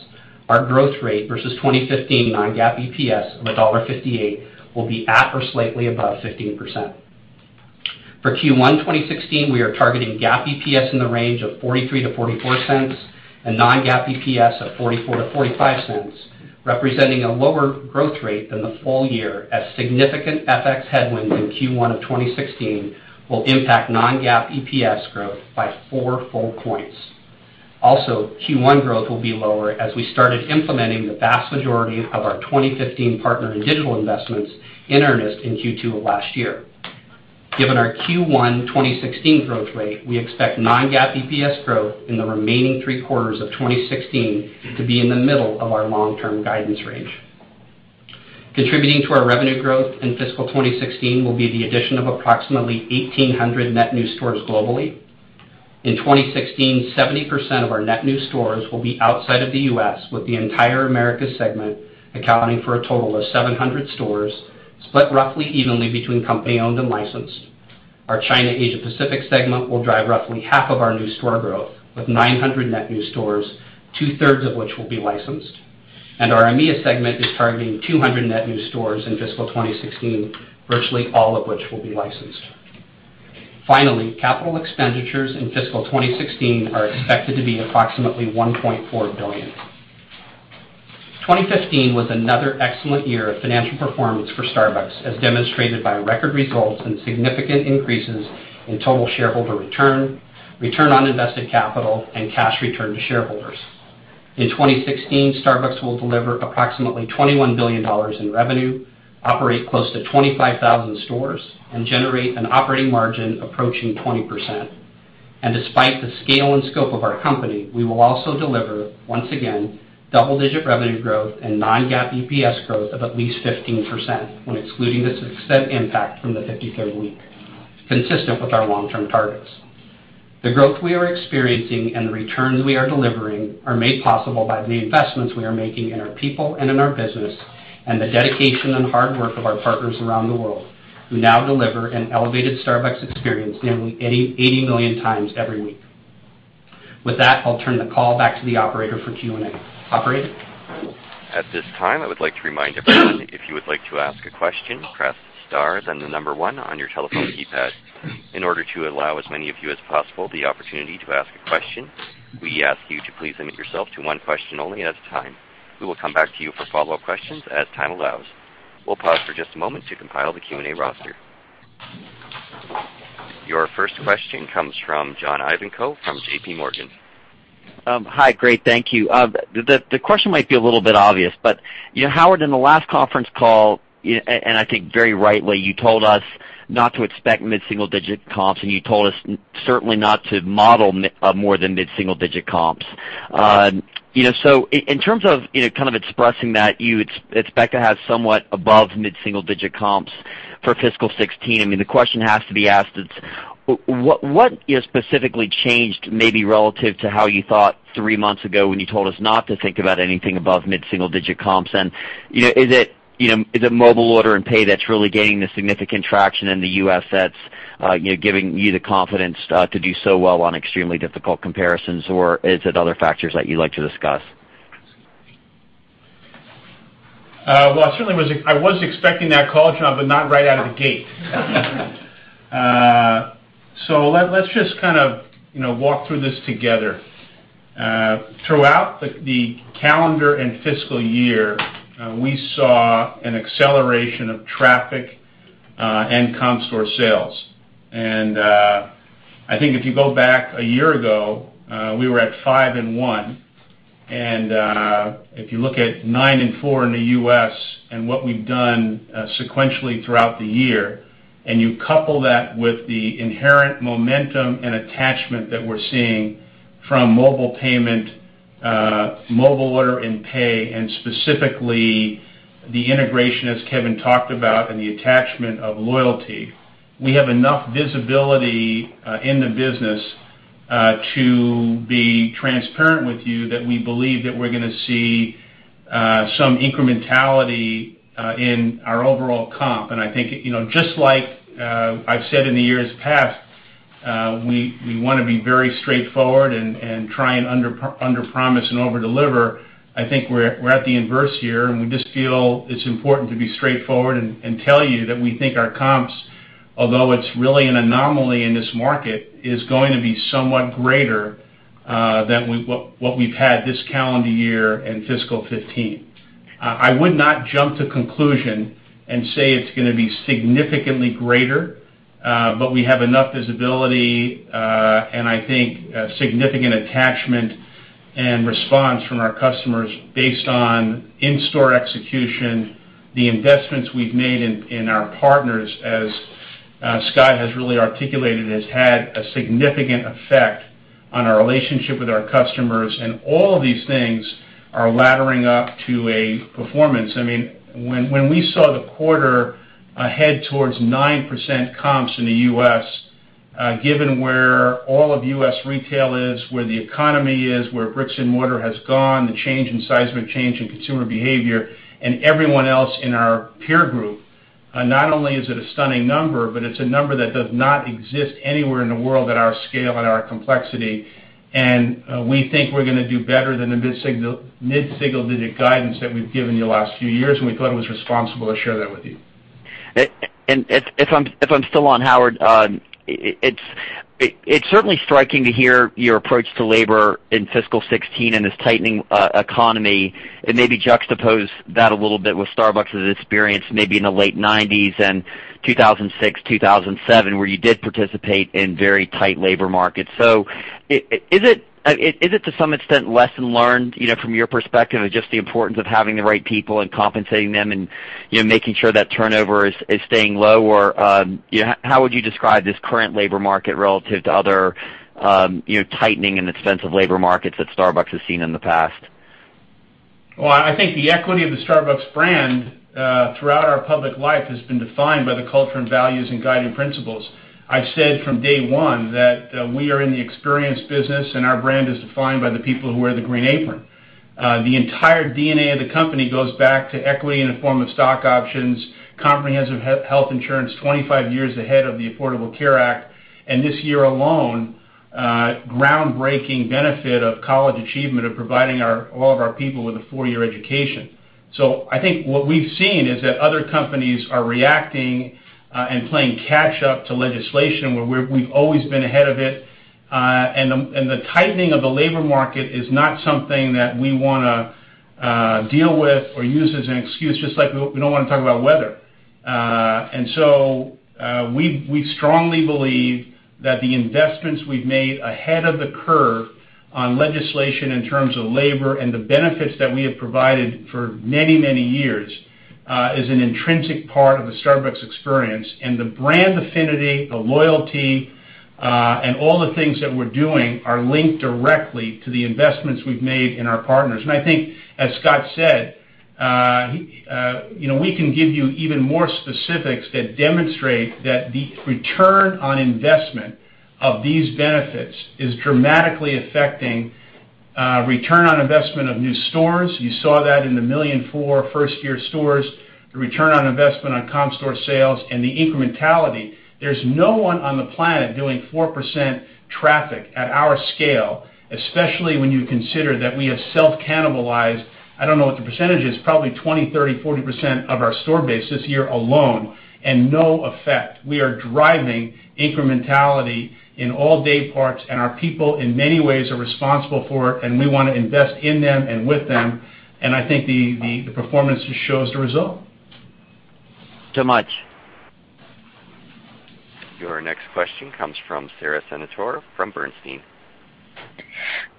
our growth rate versus 2015 non-GAAP EPS of $1.58 will be at or slightly above 15%. For Q1 2016, we are targeting GAAP EPS in the range of $0.43-$0.44 and non-GAAP EPS of $0.44-$0.45, representing a lower growth rate than the full year as significant FX headwinds in Q1 of 2016 will impact non-GAAP EPS growth by four full points. Also, Q1 growth will be lower as we started implementing the vast majority of our 2015 partner and digital investments in earnest in Q2 of last year. Given our Q1 2016 growth rate, we expect non-GAAP EPS growth in the remaining three quarters of 2016 to be in the middle of our long-term guidance range. Contributing to our revenue growth in fiscal 2016 will be the addition of approximately 1,800 net new stores globally. In 2016, 70% of our net new stores will be outside of the U.S., with the entire Americas segment accounting for a total of 700 stores, split roughly evenly between company-owned and licensed. Our China and Asia Pacific segment will drive roughly half of our new store growth, with 900 net new stores, two-thirds of which will be licensed. Our EMEA segment is targeting 200 net new stores in fiscal 2016, virtually all of which will be licensed. Finally, capital expenditures in fiscal 2016 are expected to be approximately $1.4 billion. 2015 was another excellent year of financial performance for Starbucks, as demonstrated by record results and significant increases in total shareholder return on invested capital, and cash return to shareholders. In 2016, Starbucks will deliver approximately $21 billion in revenue, operate close to 25,000 stores, and generate an operating margin approaching 20%. Despite the scale and scope of our company, we will also deliver, once again, double-digit revenue growth and non-GAAP EPS growth of at least 15%, when excluding the success impact from the 53rd week, consistent with our long-term targets. The growth we are experiencing and the returns we are delivering are made possible by the investments we are making in our people and in our business, and the dedication and hard work of our partners around the world, who now deliver an elevated Starbucks experience nearly 80 million times every week. With that, I'll turn the call back to the operator for Q&A. Operator? At this time, I would like to remind everyone, if you would like to ask a question, press star then the number 1 on your telephone keypad. In order to allow as many of you as possible the opportunity to ask a question, we ask you to please limit yourself to one question only at a time. We will come back to you for follow-up questions as time allows. We'll pause for just a moment to compile the Q&A roster. Your first question comes from John Ivankoe from JPMorgan. Hi. Great. Thank you. The question might be a little bit obvious, Howard, in the last conference call, and I think very rightly, you told us not to expect mid-single digit comps, and you told us certainly not to model more than mid-single digit comps. In terms of expressing that you expect to have somewhat above mid-single digit comps for fiscal 2016, the question has to be asked, what specifically changed maybe relative to how you thought three months ago when you told us not to think about anything above mid-single digit comps? Is it Mobile Order & Pay that's really gaining the significant traction in the U.S. that's giving you the confidence to do so well on extremely difficult comparisons? Or is it other factors that you'd like to discuss? Well, I was expecting that call, John, but not right out of the gate. Let's just walk through this together. Throughout the calendar and fiscal year, we saw an acceleration of traffic and comp store sales. I think if you go back a year ago, we were at five and one. If you look at nine and four in the U.S. and what we've done sequentially throughout the year, and you couple that with the inherent momentum and attachment that we're seeing from mobile payment, Mobile Order & Pay, and specifically The integration, as Kevin talked about, and the attachment of loyalty. We have enough visibility in the business to be transparent with you that we believe that we're going to see some incrementality in our overall comp. I think, just like I've said in the years past, we want to be very straightforward and try and underpromise and overdeliver. I think we're at the inverse year, we just feel it's important to be straightforward and tell you that we think our comps, although it's really an anomaly in this market, is going to be somewhat greater than what we've had this calendar year in fiscal 2015. I would not jump to conclusion and say it's going to be significantly greater. We have enough visibility, and I think significant attachment and response from our customers based on in-store execution. The investments we've made in our partners, as Scott has really articulated, has had a significant effect on our relationship with our customers. All of these things are laddering up to a performance. When we saw the quarter ahead towards 9% comps in the U.S., given where all of U.S. retail is, where the economy is, where bricks and mortar has gone, the change in seismic change in consumer behavior, and everyone else in our peer group, not only is it a stunning number, but it's a number that does not exist anywhere in the world at our scale and our complexity. We think we're going to do better than the mid-single-digit guidance that we've given you the last few years, and we thought it was responsible to share that with you. If I'm still on, Howard, it's certainly striking to hear your approach to labor in fiscal 2016 and this tightening economy, maybe juxtapose that a little bit with Starbucks's experience, maybe in the late 1990s and 2006, 2007, where you did participate in very tight labor markets. Is it to some extent lesson learned from your perspective of just the importance of having the right people and compensating them and making sure that turnover is staying low? How would you describe this current labor market relative to other tightening and expensive labor markets that Starbucks has seen in the past? Well, I think the equity of the Starbucks brand throughout our public life has been defined by the culture and values and guiding principles. I've said from day one that we are in the experience business, and our brand is defined by the people who wear the green apron. The entire DNA of the company goes back to equity in the form of stock options, comprehensive health insurance 25 years ahead of the Affordable Care Act. This year alone, groundbreaking benefit of college achievement, of providing all of our people with a four-year education. I think what we've seen is that other companies are reacting and playing catch up to legislation where we've always been ahead of it. The tightening of the labor market is not something that we want to deal with or use as an excuse, just like we don't want to talk about weather. We strongly believe that the investments we've made ahead of the curve on legislation in terms of labor and the benefits that we have provided for many, many years is an intrinsic part of the Starbucks experience. The brand affinity, the loyalty, and all the things that we're doing are linked directly to the investments we've made in our partners. I think as Scott said, we can give you even more specifics that demonstrate that the return on investment of these benefits is dramatically affecting return on investment of new stores. You saw that in the million four first-year stores, the return on investment on comp store sales, and the incrementality. There's no one on the planet doing 4% traffic at our scale, especially when you consider that we have self-cannibalized, I don't know what the percentage is, probably 20%, 30%, 40% of our store base this year alone, and no effect. We are driving incrementality in all day parts, and our people, in many ways, are responsible for it, and we want to invest in them and with them. I think the performance just shows the result. Too much. Your next question comes from Sara Senatore from Bernstein.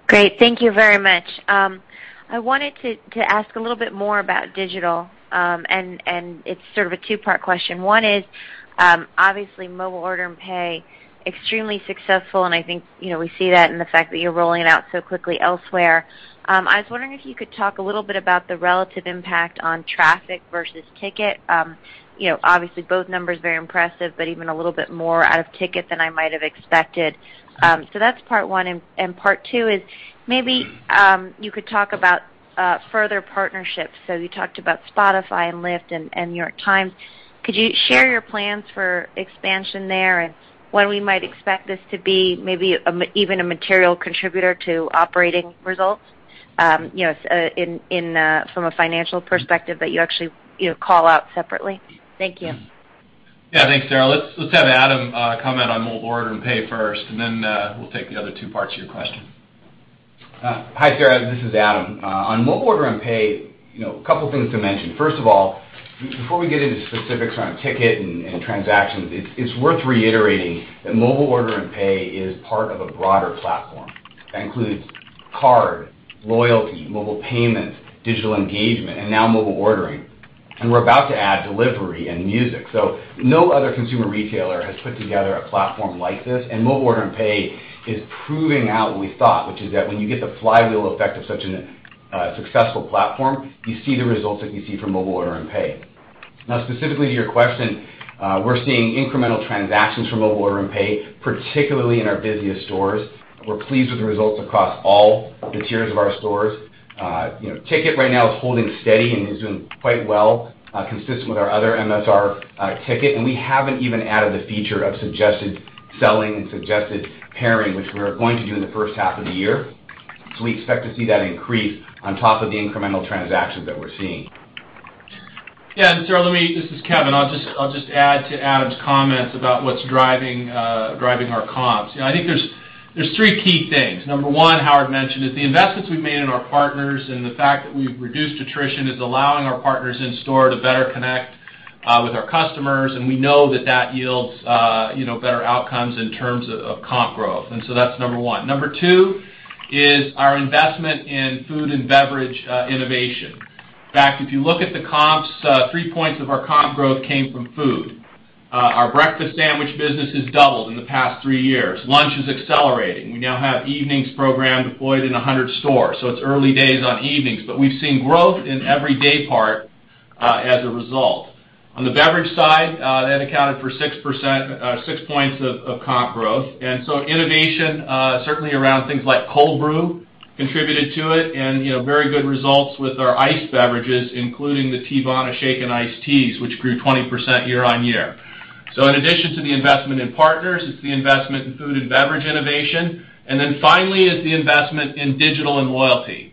Great. Thank you very much. I wanted to ask a little bit more about digital, and it's sort of a two-part question. One is, obviously, Mobile Order & Pay, extremely successful, and I think we see that in the fact that you're rolling it out so quickly elsewhere. I was wondering if you could talk a little bit about the relative impact on traffic versus ticket. Obviously both numbers very impressive, but even a little bit more out of ticket than I might have expected. That's part one, and part two is maybe you could talk about further partnerships. You talked about Spotify and Lyft and The New York Times. Could you share your plans for expansion there and when we might expect this to be maybe even a material contributor to operating results from a financial perspective that you actually call out separately? Thank you. Yeah. Thanks, Sara. Let's have Adam comment on Mobile Order & Pay first, and then we'll take the other two parts of your question. Hi, Sara, this is Adam. On Mobile Order & Pay, a couple things to mention. First of all, before we get into specifics around ticket and transactions, it's worth reiterating that Mobile Order & Pay is part of a broader platform that includes card, loyalty, mobile payment, digital engagement, and now mobile ordering. We're about to add delivery and music. No other consumer retailer has put together a platform like this, and Mobile Order & Pay is proving out what we thought, which is that when you get the flywheel effect of such a successful platform, you see the results that you see from Mobile Order & Pay. Now, specifically to your question, we're seeing incremental transactions from Mobile Order & Pay, particularly in our busiest stores. We're pleased with the results across all the tiers of our stores. Ticket right now is holding steady and is doing quite well, consistent with our other MSR ticket. We haven't even added the feature of suggested selling and suggested pairing, which we're going to do in the first half of the year. We expect to see that increase on top of the incremental transactions that we're seeing. This is Kevin. I will just add to Adam's comments about what's driving our comps. I think there's three key things. Number one, Howard mentioned, is the investments we've made in our partners, and the fact that we've reduced attrition is allowing our partners in store to better connect with our customers, and we know that that yields better outcomes in terms of comp growth. That's number one. Number two is our investment in food and beverage innovation. In fact, if you look at the comps, three points of our comp growth came from food. Our breakfast sandwich business has doubled in the past three years. Lunch is accelerating. We now have evenings program deployed in 100 stores. It's early days on evenings, but we've seen growth in every day part as a result. On the beverage side, that accounted for six points of comp growth. Innovation, certainly around things like Cold Brew, contributed to it. Very good results with our iced beverages, including the Teavana Shaken Iced Teas, which grew 20% year-on-year. In addition to the investment in partners, it's the investment in food and beverage innovation. Finally, it's the investment in digital and loyalty.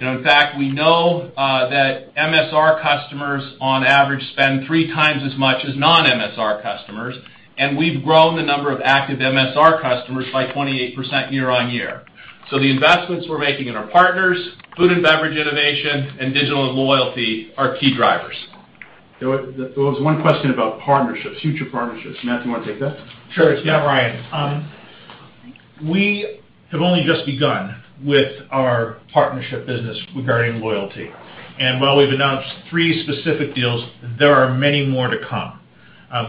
In fact, we know that MSR customers on average spend three times as much as non-MSR customers, and we've grown the number of active MSR customers by 28% year-on-year. The investments we're making in our partners, food and beverage innovation, and digital and loyalty are key drivers. There was one question about partnerships, future partnerships. Matt, you want to take that? Sure. Ryan. We have only just begun with our partnership business regarding loyalty. While we've announced three specific deals, there are many more to come.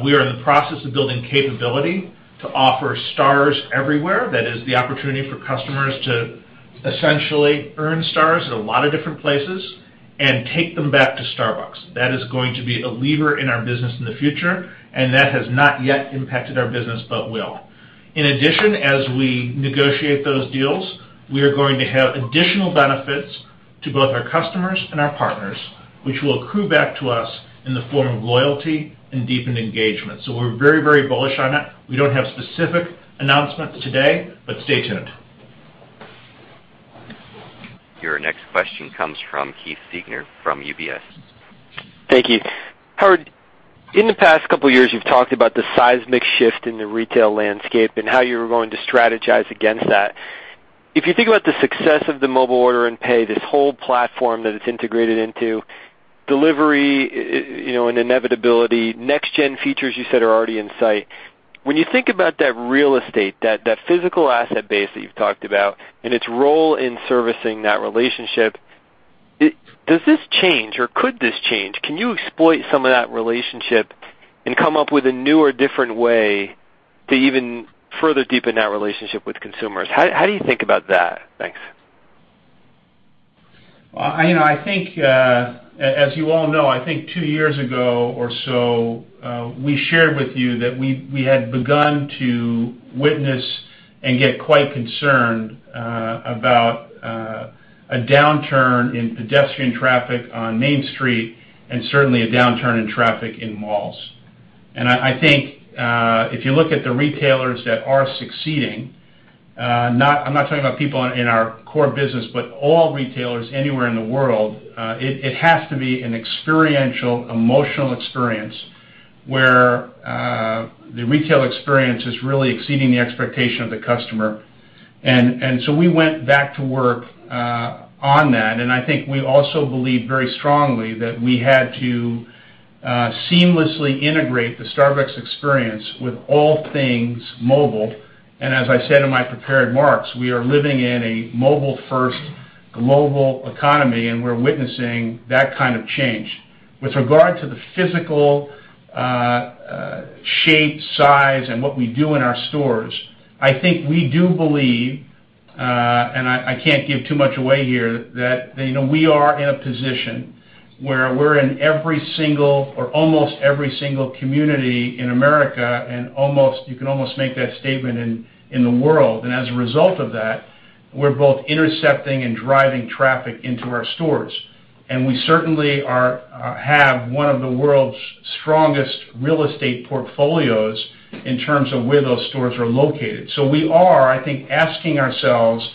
We are in the process of building capability to offer Stars everywhere. That is the opportunity for customers to essentially earn Stars at a lot of different places and take them back to Starbucks. That is going to be a lever in our business in the future, and that has not yet impacted our business, but will. In addition, as we negotiate those deals, we are going to have additional benefits to both our customers and our partners, which will accrue back to us in the form of loyalty and deepened engagement. We're very bullish on that. We don't have specific announcements today, but stay tuned. Your next question comes from Keith Siegner from UBS. Thank you. Howard, in the past couple of years, you've talked about the seismic shift in the retail landscape and how you were going to strategize against that. If you think about the success of the Mobile Order & Pay, this whole platform that it's integrated into, delivery, and inevitability, next gen features you said are already in sight. When you think about that real estate, that physical asset base that you've talked about and its role in servicing that relationship, does this change or could this change? Can you exploit some of that relationship and come up with a new or different way to even further deepen that relationship with consumers? How do you think about that? Thanks. Well, as you all know, I think two years ago or so, we shared with you that we had begun to witness and get quite concerned about a downturn in pedestrian traffic on Main Street, and certainly a downturn in traffic in malls. I think if you look at the retailers that are succeeding, I'm not talking about people in our core business, but all retailers anywhere in the world, it has to be an experiential, emotional experience where the retail experience is really exceeding the expectation of the customer. We went back to work on that, and I think we also believed very strongly that we had to seamlessly integrate the Starbucks experience with all things mobile. As I said in my prepared remarks, we are living in a mobile first global economy, and we're witnessing that kind of change. With regard to the physical shape, size, and what we do in our stores, I think we do believe, and I can't give too much away here, that we are in a position where we're in every single, or almost every single community in America, and you can almost make that statement in the world. As a result of that, we're both intercepting and driving traffic into our stores. We certainly have one of the world's strongest real estate portfolios in terms of where those stores are located. We are, I think, asking ourselves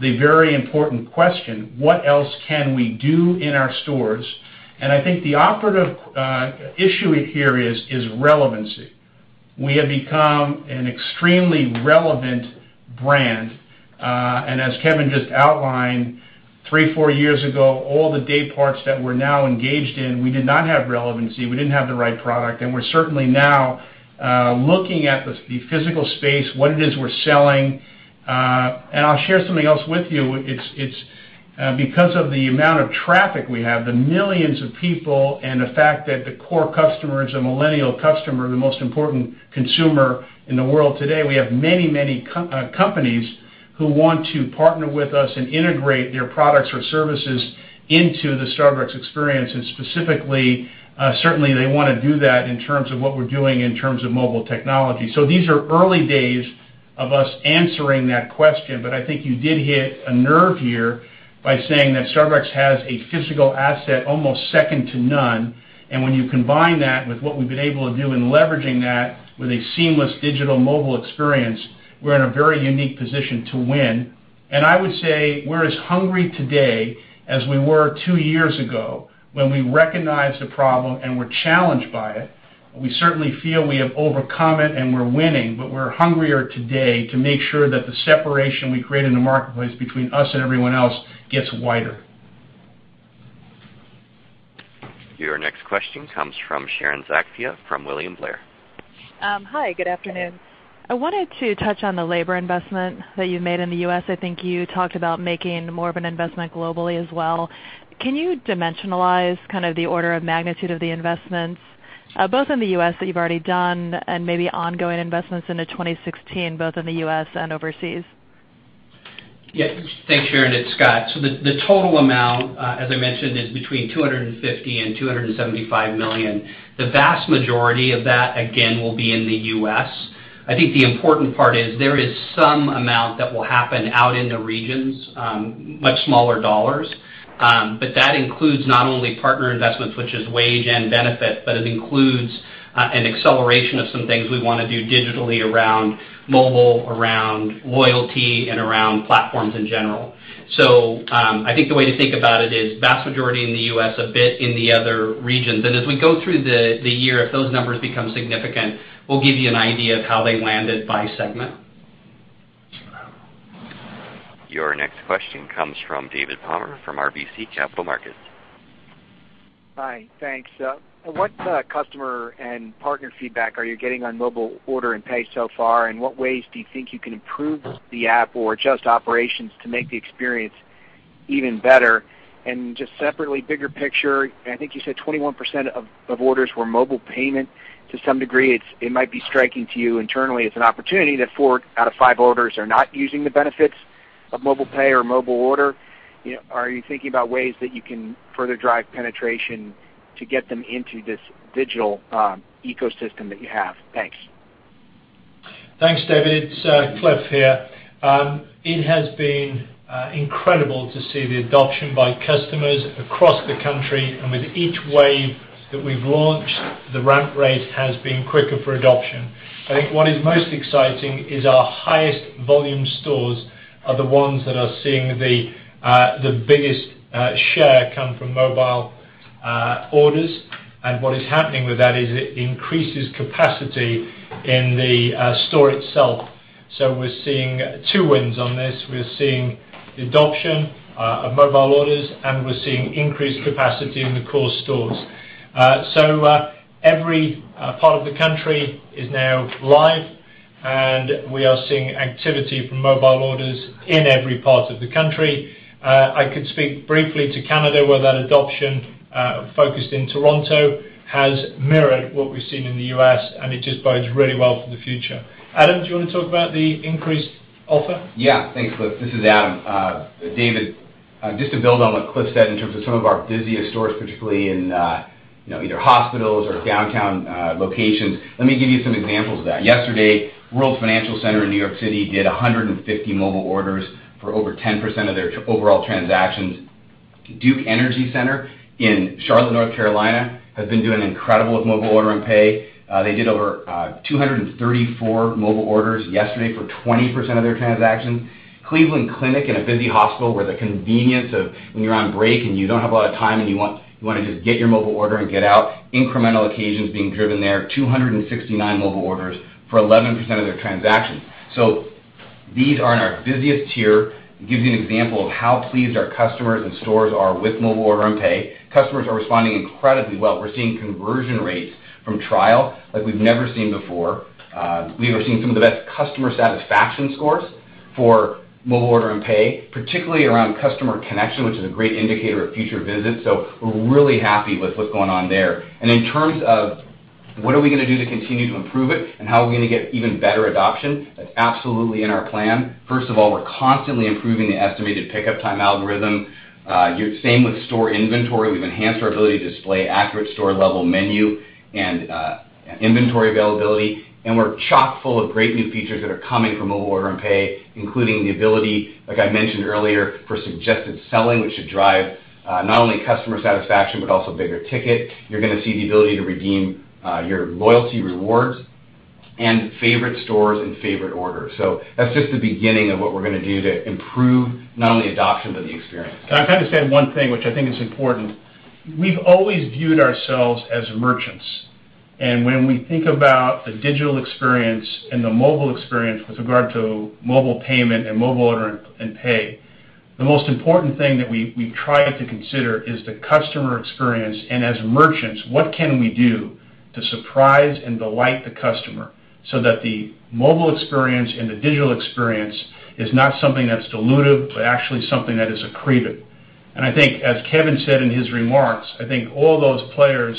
the very important question, what else can we do in our stores? I think the operative issue here is relevancy. We have become an extremely relevant brand. As Kevin just outlined, three, four years ago, all the day parts that we're now engaged in, we did not have relevancy. We didn't have the right product. We're certainly now looking at the physical space, what it is we're selling. I'll share something else with you. Because of the amount of traffic we have, the millions of people, and the fact that the core customer is a millennial customer, the most important consumer in the world today, we have many companies who want to partner with us and integrate their products or services into the Starbucks experience. Specifically, certainly they want to do that in terms of what we're doing in terms of mobile technology. These are early days of us answering that question, but I think you did hit a nerve here by saying that Starbucks has a physical asset almost second to none. When you combine that with what we've been able to do in leveraging that with a seamless digital mobile experience, we're in a very unique position to win. I would say we're as hungry today as we were two years ago when we recognized the problem, and were challenged by it. We certainly feel we have overcome it and we're winning, but we're hungrier today to make sure that the separation we create in the marketplace between us and everyone else gets wider. Your next question comes from Sharon Zackfia from William Blair. Hi, good afternoon. I wanted to touch on the labor investment that you've made in the U.S. I think you talked about making more of an investment globally as well. Can you dimensionalize the order of magnitude of the investments, both in the U.S. that you've already done and maybe ongoing investments into 2016, both in the U.S. and overseas? Yes. Thanks, Sharon. It's Scott. The total amount, as I mentioned, is between $250 million and $275 million. The vast majority of that, again, will be in the U.S. I think the important part is there is some amount that will happen out in the regions, much smaller dollars. That includes not only partner investments, which is wage and benefit, it includes an acceleration of some things we want to do digitally around mobile, around loyalty, and around platforms in general. I think the way to think about it is vast majority in the U.S., a bit in the other regions. As we go through the year, if those numbers become significant, we'll give you an idea of how they landed by segment. Your next question comes from David Palmer from RBC Capital Markets. Hi. Thanks. What customer and partner feedback are you getting on Mobile Order & Pay so far? In what ways do you think you can improve the app or adjust operations to make the experience even better? Just separately, bigger picture, I think you said 21% of orders were Mobile Pay. To some degree, it might be striking to you internally as an opportunity that four out of five orders are not using the benefits of Mobile Pay or Mobile Order. Are you thinking about ways that you can further drive penetration to get them into this digital ecosystem that you have? Thanks. Thanks, David. It's Cliff here. It has been incredible to see the adoption by customers across the country. With each wave that we've launched, the ramp rate has been quicker for adoption. I think what is most exciting is our highest volume stores are the ones that are seeing the biggest share come from mobile orders. What is happening with that is it increases capacity in the store itself. We're seeing two wins on this. We're seeing the adoption of mobile orders, and we're seeing increased capacity in the core stores. Every part of the country is now live, and we are seeing activity from mobile orders in every part of the country. I could speak briefly to Canada, where that adoption, focused in Toronto, has mirrored what we've seen in the U.S., and it just bodes really well for the future. Adam, do you want to talk about the increased offer? Thanks, Cliff. This is Adam. David, just to build on what Cliff said in terms of some of our busiest stores, particularly in either hospitals or downtown locations, let me give you some examples of that. Yesterday, World Financial Center in New York City did 150 mobile orders for over 10% of their overall transactions. Duke Energy Center in Charlotte, North Carolina, has been doing incredible with Mobile Order & Pay. They did over 234 mobile orders yesterday for 20% of their transactions. Cleveland Clinic, in a busy hospital where the convenience of when you're on break and you don't have a lot of time, and you want to just get your mobile order and get out, incremental occasions being driven there, 269 mobile orders for 11% of their transactions. These are in our busiest tier. It gives you an example of how pleased our customers and stores are with Mobile Order & Pay. Customers are responding incredibly well. We're seeing conversion rates from trial like we've never seen before. We are seeing some of the best customer satisfaction scores for Mobile Order & Pay, particularly around customer connection, which is a great indicator of future visits. We're really happy with what's going on there. In terms of what are we going to do to continue to improve it and how are we going to get even better adoption, that's absolutely in our plan. First of all, we're constantly improving the estimated pickup time algorithm. Same with store inventory. We've enhanced our ability to display accurate store-level menu and inventory availability, we're chock-full of great new features that are coming for Mobile Order & Pay, including the ability, like I mentioned earlier, for suggested selling, which should drive not only customer satisfaction but also bigger ticket. You're going to see the ability to redeem your loyalty rewards and favorite stores and favorite orders. That's just the beginning of what we're going to do to improve not only adoption but the experience. Can I kind of say one thing, which I think is important? We've always viewed ourselves as merchants, when we think about the digital experience and the mobile experience with regard to mobile payment and Mobile Order & Pay, the most important thing that we try to consider is the customer experience, as merchants, what can we do To surprise and delight the customer so that the mobile experience and the digital experience is not something that's dilutive, but actually something that is accretive. I think, as Kevin said in his remarks, I think all those players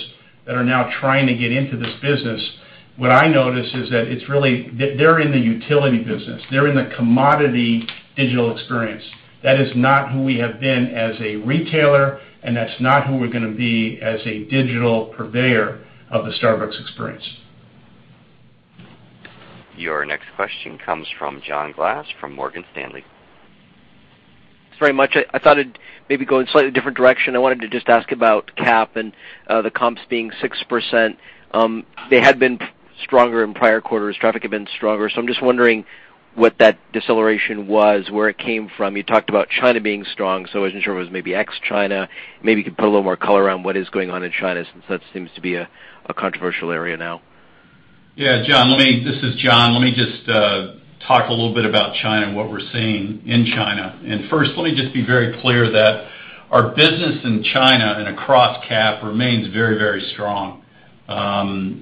that are now trying to get into this business, what I notice is that it's really they're in the utility business. They're in the commodity digital experience. That is not who we have been as a retailer, and that's not who we're going to be as a digital purveyor of the Starbucks experience. Your next question comes from John Glass, from Morgan Stanley. Thanks very much. I thought I'd maybe go in a slightly different direction. I wanted to just ask about CAP and the comps being 6%. They had been stronger in prior quarters. Traffic had been stronger. I'm just wondering what that deceleration was, where it came from. You talked about China being strong, I wasn't sure if it was maybe ex-China. Maybe you could put a little more color on what is going on in China since that seems to be a controversial area now. Yeah, John, this is John. Let me just talk a little bit about China and what we're seeing in China. First, let me just be very clear that our business in China and across CAP remains very strong.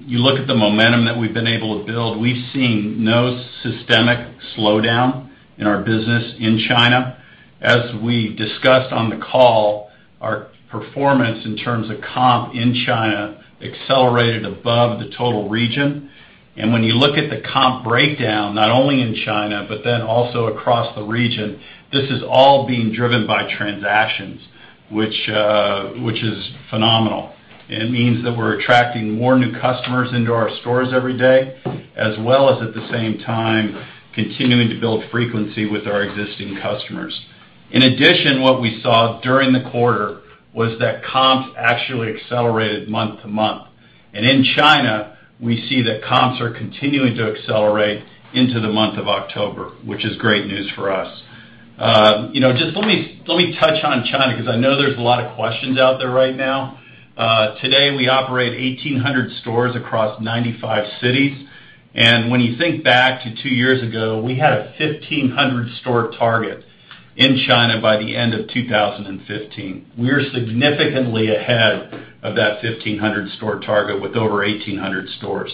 You look at the momentum that we've been able to build, we've seen no systemic slowdown in our business in China. As we discussed on the call, our performance in terms of comp in China accelerated above the total region. When you look at the comp breakdown, not only in China, but also across the region, this is all being driven by transactions, which is phenomenal. It means that we're attracting more new customers into our stores every day, as well as, at the same time, continuing to build frequency with our existing customers. In addition, what we saw during the quarter was that comps actually accelerated month to month. In China, we see that comps are continuing to accelerate into the month of October, which is great news for us. Just let me touch on China, because I know there's a lot of questions out there right now. Today we operate 1,800 stores across 95 cities. When you think back to two years ago, we had a 1,500 store target in China by the end of 2015. We're significantly ahead of that 1,500 store target with over 1,800 stores.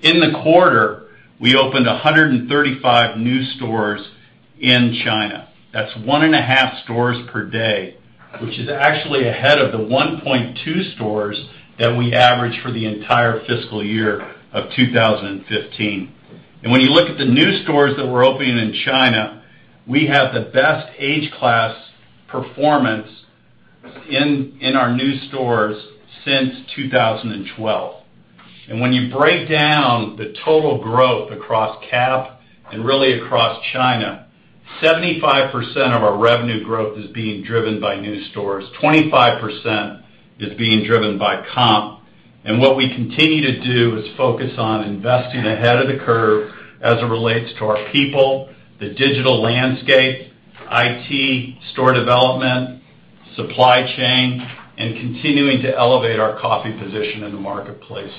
In the quarter, we opened 135 new stores in China. That's one and a half stores per day, which is actually ahead of the 1.2 stores that we averaged for the entire fiscal year of 2015. When you look at the new stores that we're opening in China, we have the best age class performance in our new stores since 2012. When you break down the total growth across CAP and really across China, 75% of our revenue growth is being driven by new stores, 25% is being driven by comp. What we continue to do is focus on investing ahead of the curve as it relates to our people, the digital landscape, IT, store development, supply chain, and continuing to elevate our coffee position in the marketplace.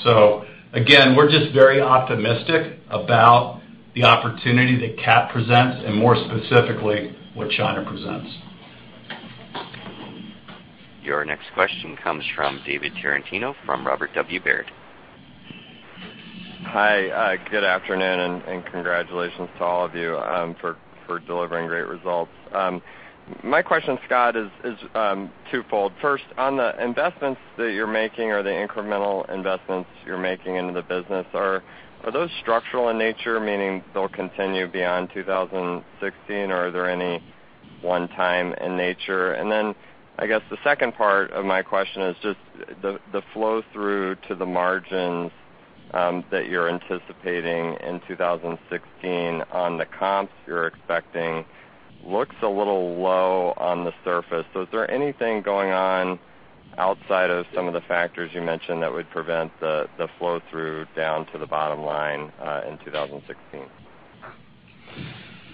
Again, we're just very optimistic about the opportunity that CAP presents and more specifically, what China presents. Your next question comes from David Tarantino from Robert W. Baird. Hi, good afternoon, and congratulations to all of you for delivering great results. My question, Scott, is twofold. First, on the investments that you're making or the incremental investments you're making into the business, are those structural in nature, meaning they'll continue beyond 2016, or are there any one-time in nature? I guess the second part of my question is just the flow-through to the margins that you're anticipating in 2016 on the comps you're expecting looks a little low on the surface. Is there anything going on outside of some of the factors you mentioned that would prevent the flow-through down to the bottom line in 2016?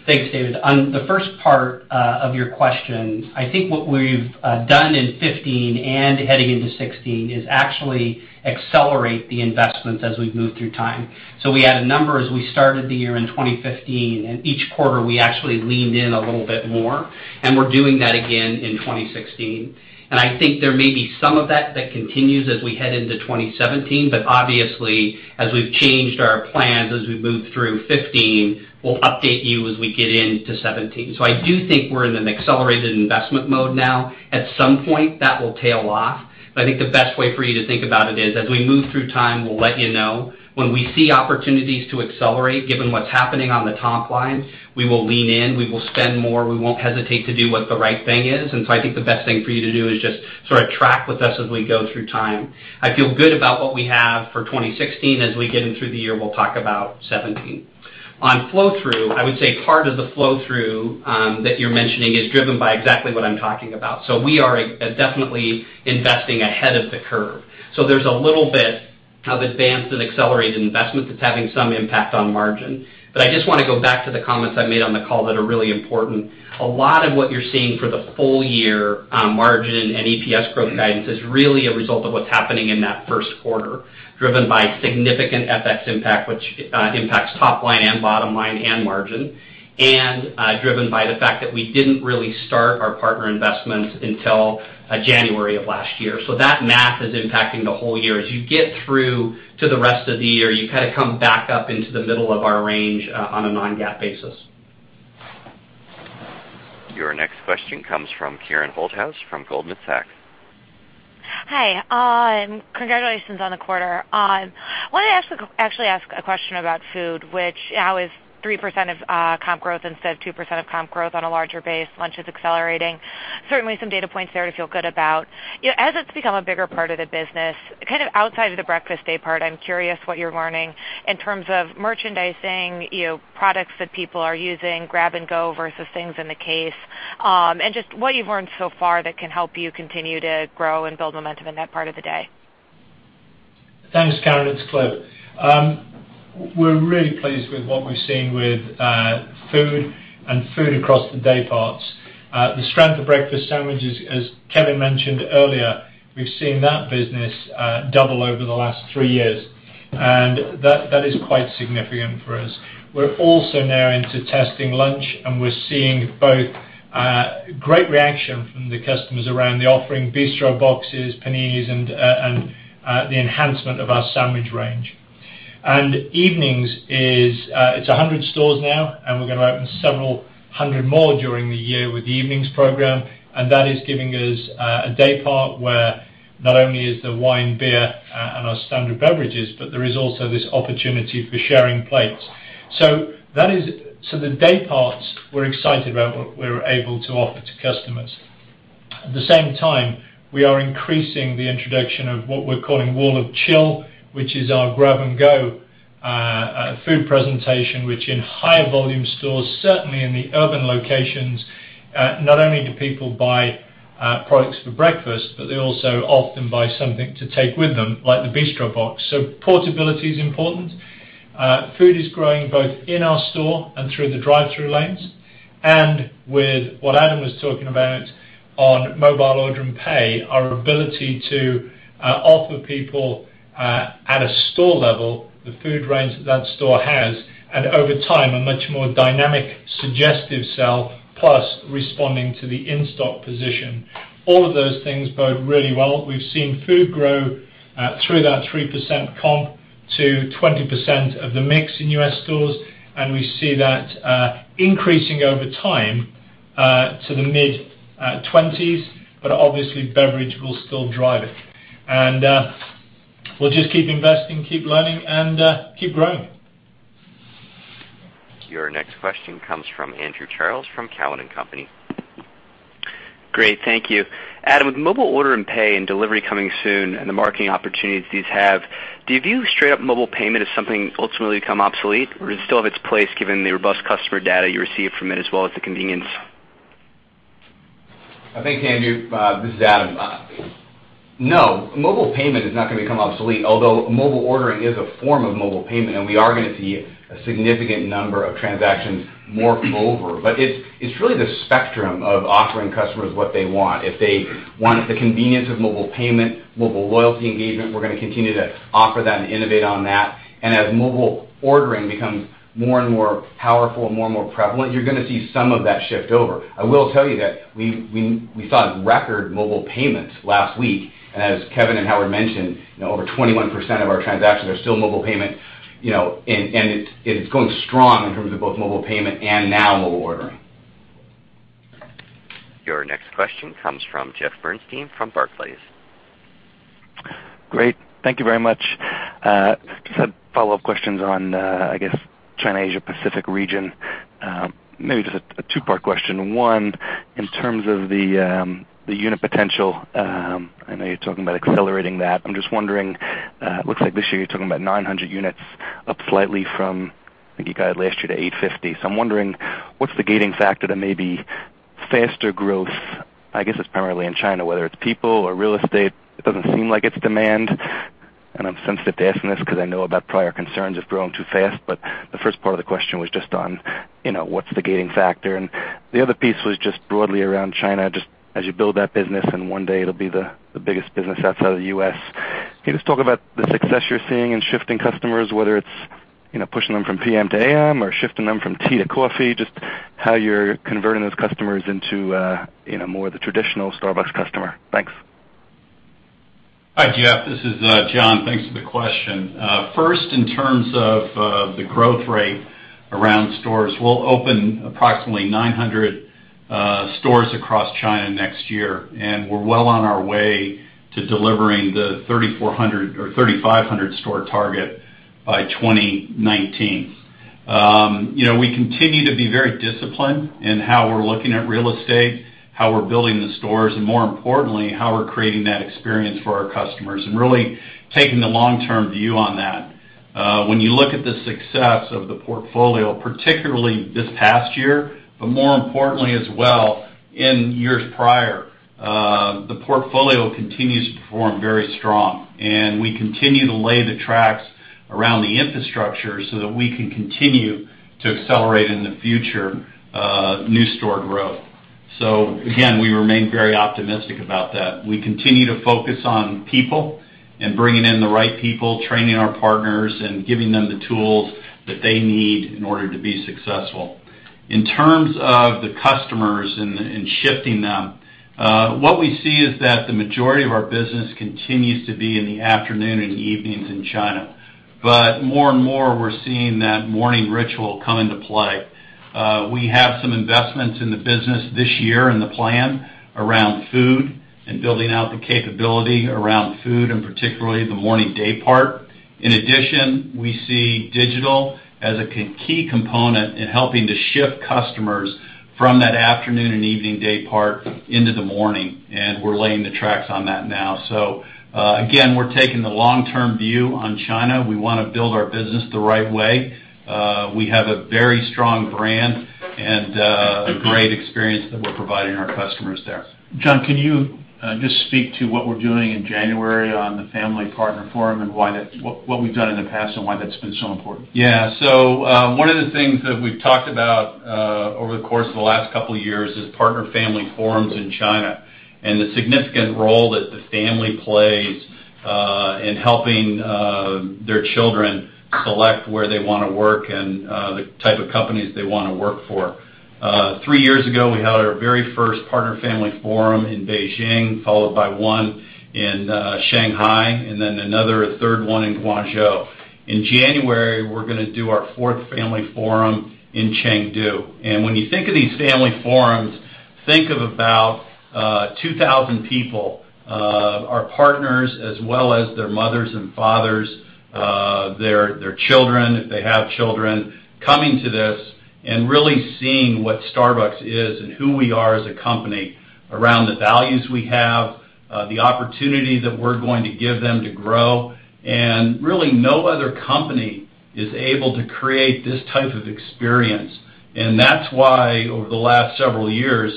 Thanks, David. On the first part of your question, I think what we've done in 2015 and heading into 2016 is actually accelerate the investments as we've moved through time. We had a number as we started the year in 2015, and each quarter, we actually leaned in a little bit more, and we're doing that again in 2016. I think there may be some of that that continues as we head into 2017. Obviously, as we've changed our plans, as we've moved through 2015, we'll update you as we get into 2017. I do think we're in an accelerated investment mode now. At some point, that will tail off. I think the best way for you to think about it is as we move through time, we'll let you know. When we see opportunities to accelerate, given what's happening on the top line, we will lean in, we will spend more, we won't hesitate to do what the right thing is. I think the best thing for you to do is just track with us as we go through time. I feel good about what we have for 2016. As we get in through the year, we'll talk about 2017. On flow-through, I would say part of the flow-through that you're mentioning is driven by exactly what I'm talking about. We are definitely investing ahead of the curve. There's a little bit of advanced and accelerated investment that's having some impact on margin. I just want to go back to the comments I made on the call that are really important. A lot of what you're seeing for the full year on margin and EPS growth guidance is really a result of what's happening in that first quarter, driven by significant FX impact, which impacts top line and bottom line and margin, and driven by the fact that we didn't really start our partner investments until January of last year. That math is impacting the whole year. As you get through to the rest of the year, you come back up into the middle of our range on a non-GAAP basis. Your next question comes from Karen Holthouse from Goldman Sachs. Hi. Congratulations on the quarter. I wanted to actually ask a question about food, which now is 3% of comp growth instead of 2% of comp growth on a larger base. Lunch is accelerating. Certainly, some data points there to feel good about. As it's become a bigger part of the business, outside of the breakfast daypart, I'm curious what you're learning in terms of merchandising, products that people are using, grab and go versus things in the case, and just what you've learned so far that can help you continue to grow and build momentum in that part of the day. Thanks, Karen. It's Cliff. We're really pleased with what we're seeing with food and food across the dayparts. The strength of breakfast sandwiches, as Kevin mentioned earlier, we've seen that business double over the last three years, and that is quite significant for us. We're also now into testing lunch, and we're seeing both great reaction from the customers around the offering Bistro Boxes, Paninis, and the enhancement of our sandwich range. Evenings is 100 stores now, and we're going to open several hundred more during the year with the evenings program, and that is giving us a daypart where not only is there wine, beer, and our standard beverages, but there is also this opportunity for sharing plates. The dayparts, we're excited about what we're able to offer to customers. At the same time, we are increasing the introduction of what we're calling Wall of Chill, which is our grab-and-go food presentation. Which in high volume stores, certainly in the urban locations, not only do people buy products for breakfast, but they also often buy something to take with them, like the Bistro Box. Portability is important. Food is growing both in our store and through the drive-thru lanes. With what Adam was talking about on Mobile Order & Pay, our ability to offer people, at a store level, the food range that that store has, and over time, a much more dynamic, suggestive sell, plus responding to the in-stock position. All of those things bode really well. We've seen food grow through that 3% comp to 20% of the mix in U.S. stores, and we see that increasing over time to the mid-20s. Obviously, beverage will still drive it. We'll just keep investing, keep learning, and keep growing. Your next question comes from Andrew Charles from Cowen and Company. Great. Thank you. Adam, with Mobile Order & Pay and delivery coming soon and the marketing opportunities these have, do you view straight-up mobile payment as something that'll ultimately become obsolete or does it still have its place given the robust customer data you receive from it as well as the convenience? Thanks, Andrew. This is Adam. No, mobile payment is not going to become obsolete, although mobile ordering is a form of mobile payment, and we are going to see a significant number of transactions morph over. It's really the spectrum of offering customers what they want. If they want the convenience of mobile payment, mobile loyalty engagement, we're going to continue to offer that and innovate on that. As mobile ordering becomes more and more powerful and more and more prevalent, you're going to see some of that shift over. I will tell you that we saw record mobile payments last week, and as Kevin and Howard mentioned, over 21% of our transactions are still mobile payment, and it's going strong in terms of both mobile payment and now mobile ordering. Your next question comes from Jeffrey Bernstein from Barclays. Great. Thank you very much. Just had follow-up questions on, I guess, China and Asia Pacific region. Maybe just a two-part question. One, in terms of the unit potential, I know you're talking about accelerating that. I'm just wondering, it looks like this year you're talking about 900 units up slightly from, I think you guided last year to 850. I'm wondering, what's the gating factor to maybe faster growth? I guess it's primarily in China, whether it's people or real estate. It doesn't seem like it's demand. I'm sensitive to asking this because I know about prior concerns of growing too fast. The first part of the question was just on what's the gating factor. The other piece was just broadly around China, just as you build that business and one day it'll be the biggest business outside of the U.S. Can you just talk about the success you're seeing in shifting customers, whether it's pushing them from PM to AM or shifting them from tea to coffee, just how you're converting those customers into more the traditional Starbucks customer. Thanks. Hi, Jeff. This is John. Thanks for the question. First, in terms of the growth rate around stores, we'll open approximately 900 stores across China next year, and we're well on our way to delivering the 3,400 or 3,500 store target by 2019. We continue to be very disciplined in how we're looking at real estate, how we're building the stores, and more importantly, how we're creating that experience for our customers and really taking the long-term view on that. When you look at the success of the portfolio, particularly this past year, but more importantly as well in years prior, the portfolio continues to perform very strong, and we continue to lay the tracks around the infrastructure so that we can continue to accelerate in the future new store growth. Again, we remain very optimistic about that. We continue to focus on people and bringing in the right people, training our partners, and giving them the tools that they need in order to be successful. In terms of the customers and shifting them. What we see is that the majority of our business continues to be in the afternoon and evenings in China. More and more, we're seeing that morning ritual come into play. We have some investments in the business this year in the plan around food and building out the capability around food, and particularly the morning day part. In addition, we see digital as a key component in helping to shift customers from that afternoon and evening day part into the morning, and we're laying the tracks on that now. Again, we're taking the long-term view on China. We want to build our business the right way. We have a very strong brand and a great experience that we're providing our customers there. John, can you just speak to what we're doing in January on the Family Partner Forum, what we've done in the past, and why that's been so important? One of the things that we've talked about over the course of the last couple of years is Partner Family Forums in China, and the significant role that the family plays in helping their children select where they want to work and the type of companies they want to work for. Three years ago, we held our very first Partner Family Forum in Beijing, followed by one in Shanghai, then another third one in Guangzhou. In January, we're going to do our fourth family forum in Chengdu. When you think of these family forums, think of about 2,000 people, our partners as well as their mothers and fathers, their children, if they have children, coming to this and really seeing what Starbucks is and who we are as a company around the values we have, the opportunity that we're going to give them to grow. Really, no other company is able to create this type of experience. That's why, over the last several years,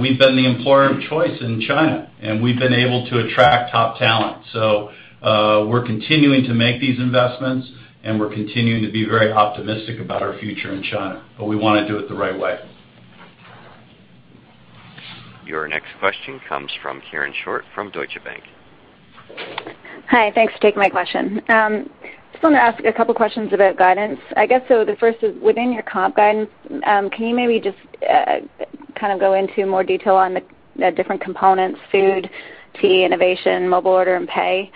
we've been the employer of choice in China, we've been able to attract top talent. We're continuing to make these investments, we're continuing to be very optimistic about our future in China, we want to do it the right way. Your next question comes from Karen Short from Deutsche Bank. Hi. Thanks for taking my question. Just wanted to ask a couple questions about guidance. I guess the first is within your comp guidance, can you maybe just go into more detail on the different components, food, tea, innovation, Mobile Order & Pay?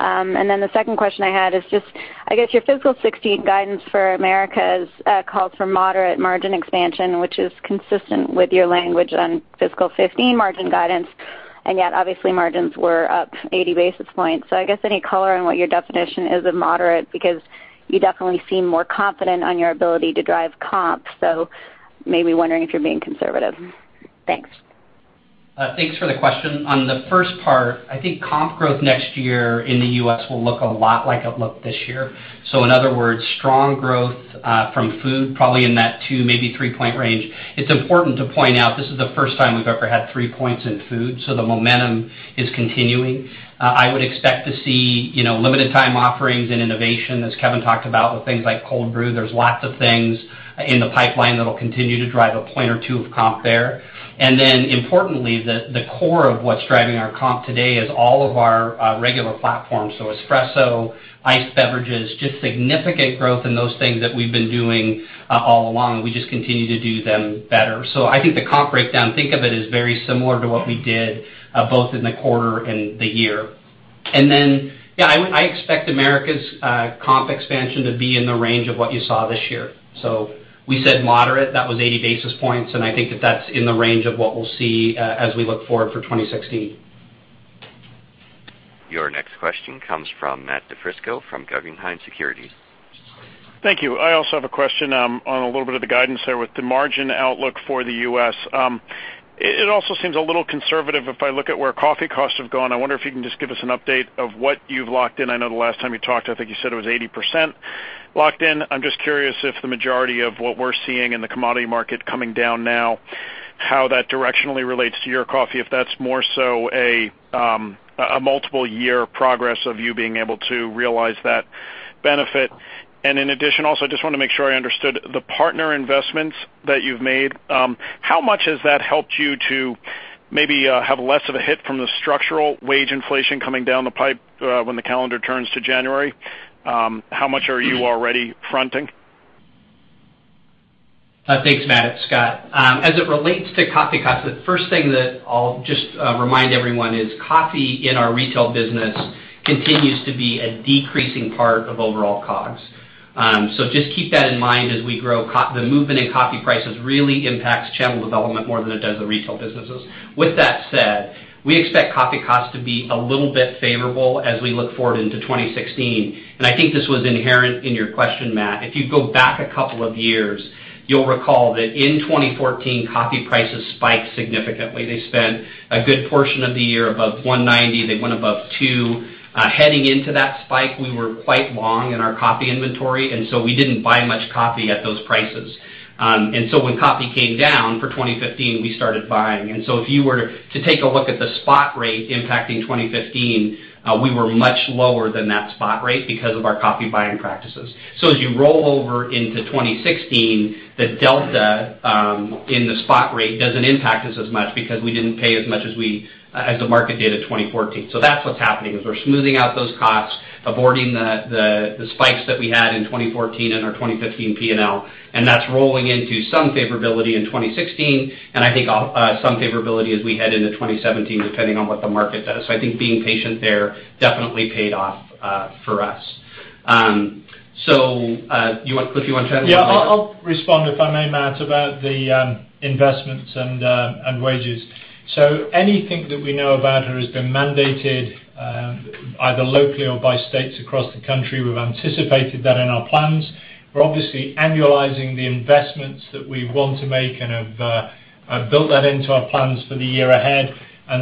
The second question I had is just, I guess your fiscal 2016 guidance for Americas calls for moderate margin expansion, which is consistent with your language on fiscal 2015 margin guidance, and yet obviously margins were up 80 basis points. I guess any color on what your definition is of moderate, because you definitely seem more confident on your ability to drive comp, maybe wondering if you're being conservative. Thanks. Thanks for the question. On the first part, I think comp growth next year in the U.S. will look a lot like it looked this year. In other words, strong growth from food, probably in that two, maybe three-point range. It's important to point out this is the first time we've ever had three points in food, so the momentum is continuing. I would expect to see limited time offerings and innovation, as Kevin talked about, with things like Cold Brew. There's lots of things in the pipeline that'll continue to drive a point or two of comp there. Importantly, the core of what's driving our comp today is all of our regular platforms. Espresso, iced beverages, just significant growth in those things that we've been doing all along. We just continue to do them better. I think the comp breakdown, think of it as very similar to what we did both in the quarter and the year. Yeah, I expect Americas' comp expansion to be in the range of what you saw this year. We said moderate, that was 80 basis points, and I think that that's in the range of what we'll see as we look forward for 2016. Your next question comes from Matthew DiFrisco from Guggenheim Securities. Thank you. I also have a question on a little bit of the guidance there with the margin outlook for the U.S. It also seems a little conservative if I look at where coffee costs have gone. I wonder if you can just give us an update of what you've locked in. I know the last time you talked, I think you said it was 80% locked in. I'm just curious if the majority of what we're seeing in the commodity market coming down now, how that directionally relates to your coffee, if that's more so a multiple year progress of you being able to realize that benefit. In addition, also, I just want to make sure I understood the partner investments that you've made. How much has that helped you to maybe have less of a hit from the structural wage inflation coming down the pipe when the calendar turns to January? How much are you already fronting? Thanks, Matt. It's Scott. As it relates to coffee costs, the first thing that I'll just remind everyone is coffee in our retail business continues to be a decreasing part of overall COGS. Just keep that in mind as we grow. The movement in coffee prices really impacts channel development more than it does the retail businesses. With that said, we expect coffee costs to be a little bit favorable as we look forward into 2016. I think this was inherent in your question, Matt. If you go back a couple of years, you'll recall that in 2014, coffee prices spiked significantly. They spent a good portion of the year above $1.90. They went above $2.00. Heading into that spike, we were quite long in our coffee inventory, and so we didn't buy much coffee at those prices. When coffee came down for 2015, we started buying. If you were to take a look at the spot rate impacting 2015, we were much lower than that spot rate because of our coffee buying practices. As you roll over into 2016, the delta in the spot rate doesn't impact us as much because we didn't pay as much as the market did at 2014. That's what's happening, is we're smoothing out those costs, aborting the spikes that we had in 2014 in our 2015 P&L, and that's rolling into some favorability in 2016, and I think some favorability as we head into 2017, depending on what the market does. I think being patient there definitely paid off for us. You want to answer that one, Howard? Yeah, I'll respond, if I may, Matt, about the investments and wages. Anything that we know about or has been mandated, either locally or by states across the country, we've anticipated that in our plans. We're obviously annualizing the investments that we want to make and have built that into our plans for the year ahead.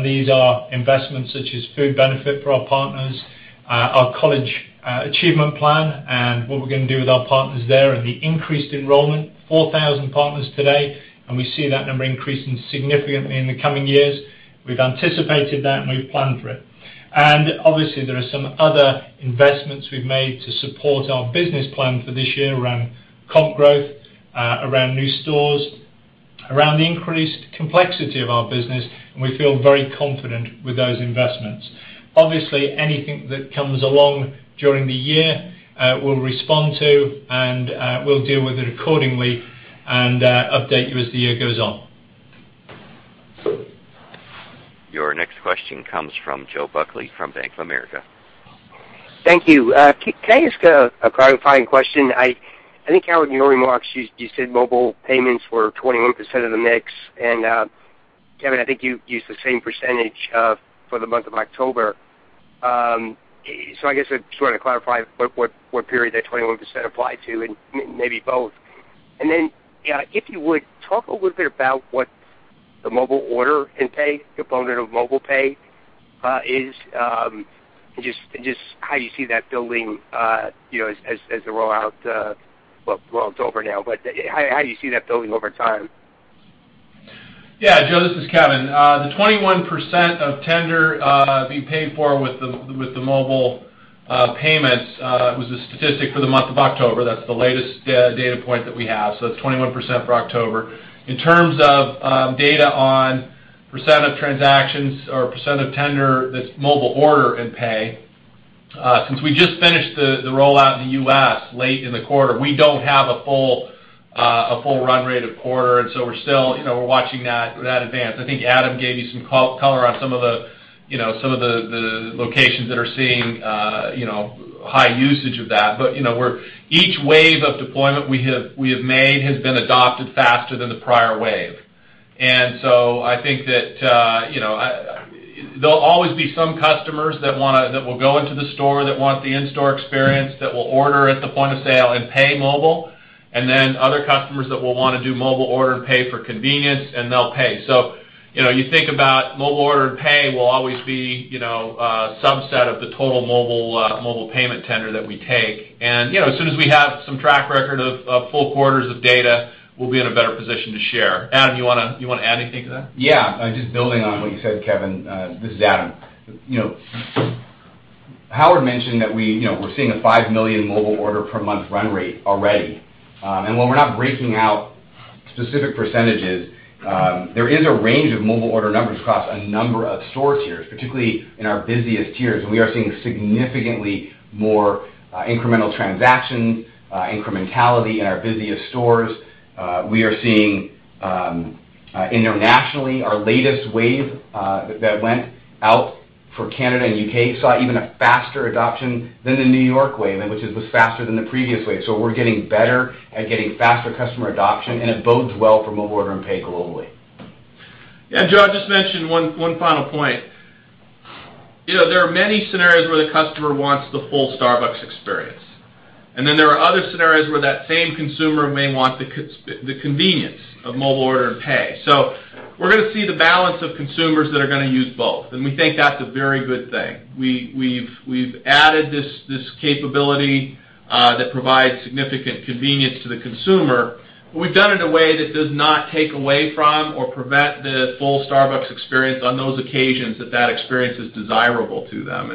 These are investments such as food benefit for our partners, our College Achievement Plan, and what we're going to do with our partners there, and the increased enrollment, 4,000 partners today, and we see that number increasing significantly in the coming years. We've anticipated that, and we've planned for it. Obviously, there are some other investments we've made to support our business plan for this year around comp growth, around new stores, around the increased complexity of our business, and we feel very confident with those investments. Obviously, anything that comes along during the year, we'll respond to, and we'll deal with it accordingly and update you as the year goes on. Your next question comes from Joseph Buckley from Bank of America. Thank you. Can I ask a clarifying question? I think, Howard, in your remarks, you said mobile payments were 21% of the mix. Kevin, I think you used the same percentage for the month of October. I guess I just want to clarify what period that 21% applied to, and maybe both. Then, if you would, talk a little bit about what the Mobile Order & Pay component of mobile pay is, and just how you see that building as the rollout Well, it's over now, but how do you see that building over time? Yeah. Joe, this is Kevin. The 21% of tender being paid for with the mobile payments was a statistic for the month of October. That's the latest data point that we have. That's 21% for October. In terms of data on percent of transactions or percent of tender that's Mobile Order & Pay, since we just finished the rollout in the U.S. late in the quarter, we don't have a full run rate of quarter, we're still watching that advance. I think Adam gave you some color on some of the locations that are seeing high usage of that. Each wave of deployment we have made has been adopted faster than the prior wave. I think that there'll always be some customers that will go into the store that want the in-store experience, that will order at the point of sale and pay mobile, then other customers that will want to do Mobile Order & Pay for convenience, they'll pay. You think about Mobile Order & Pay will always be a subset of the total mobile payment tender that we take. As soon as we have some track record of full quarters of data, we'll be in a better position to share. Adam, do you want to add anything to that? Yeah. Just building on what you said, Kevin. This is Adam. Howard mentioned that we're seeing a 5 million mobile order per month run rate already. While we're not breaking out specific percentages, there is a range of mobile order numbers across a number of store tiers, particularly in our busiest tiers. We are seeing significantly more incremental transaction, incrementality in our busiest stores. We are seeing internationally, our latest wave that went out for Canada and U.K. saw even a faster adoption than the New York wave, which was faster than the previous wave. We're getting better at getting faster customer adoption, it bodes well for Mobile Order & Pay globally. Yeah, Joe, I'll just mention one final point. There are many scenarios where the customer wants the full Starbucks experience. Then there are other scenarios where that same consumer may want the convenience of Mobile Order & Pay. We're going to see the balance of consumers that are going to use both, we think that's a very good thing. We've added this capability that provides significant convenience to the consumer, we've done it in a way that does not take away from or prevent the full Starbucks experience on those occasions that that experience is desirable to them.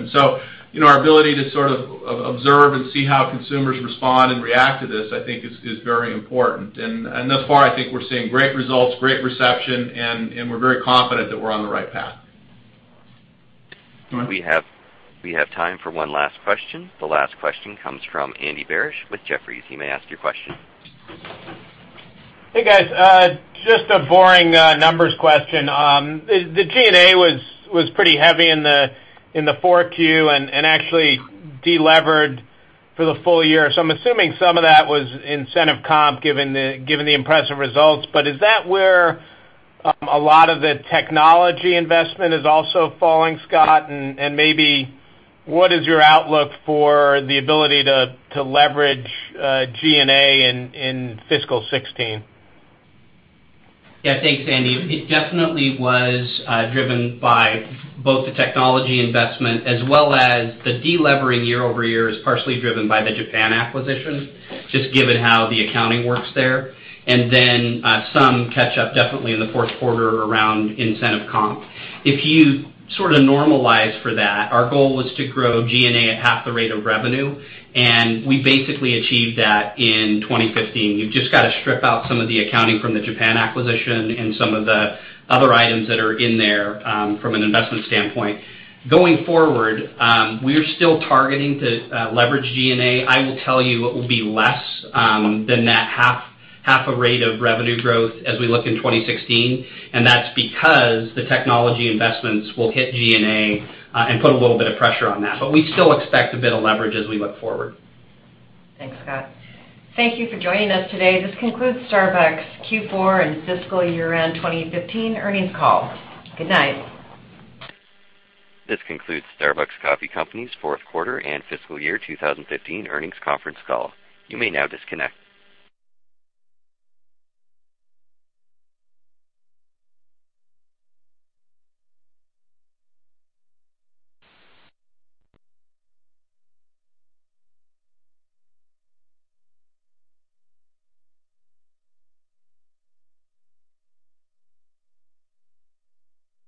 Our ability to sort of observe and see how consumers respond and react to this, I think, is very important. Thus far, I think we're seeing great results, great reception, we're very confident that we're on the right path. We have time for one last question. The last question comes from Andy Barish with Jefferies. You may ask your question. Hey, guys. Just a boring numbers question. The G&A was pretty heavy in the 4Q and actually delevered for the full year. I'm assuming some of that was incentive comp, given the impressive results. Is that where a lot of the technology investment is also falling, Scott? Maybe what is your outlook for the ability to leverage G&A in fiscal 2016? Thanks, Andy. It definitely was driven by both the technology investment as well as the delevering year-over-year is partially driven by the Japan acquisition, just given how the accounting works there. Some catch up definitely in the fourth quarter around incentive comp. If you sort of normalize for that, our goal was to grow G&A at half the rate of revenue, and we basically achieved that in 2015. You've just got to strip out some of the accounting from the Japan acquisition and some of the other items that are in there from an investment standpoint. Going forward, we are still targeting to leverage G&A. I will tell you it will be less than that half a rate of revenue growth as we look in 2016, and that's because the technology investments will hit G&A and put a little bit of pressure on that. We still expect a bit of leverage as we look forward. Thanks, Scott. Thank you for joining us today. This concludes Starbucks Q4 and fiscal year-end 2015 earnings call. Good night. This concludes Starbucks Coffee Company's fourth quarter and fiscal year 2015 earnings conference call. You may now disconnect.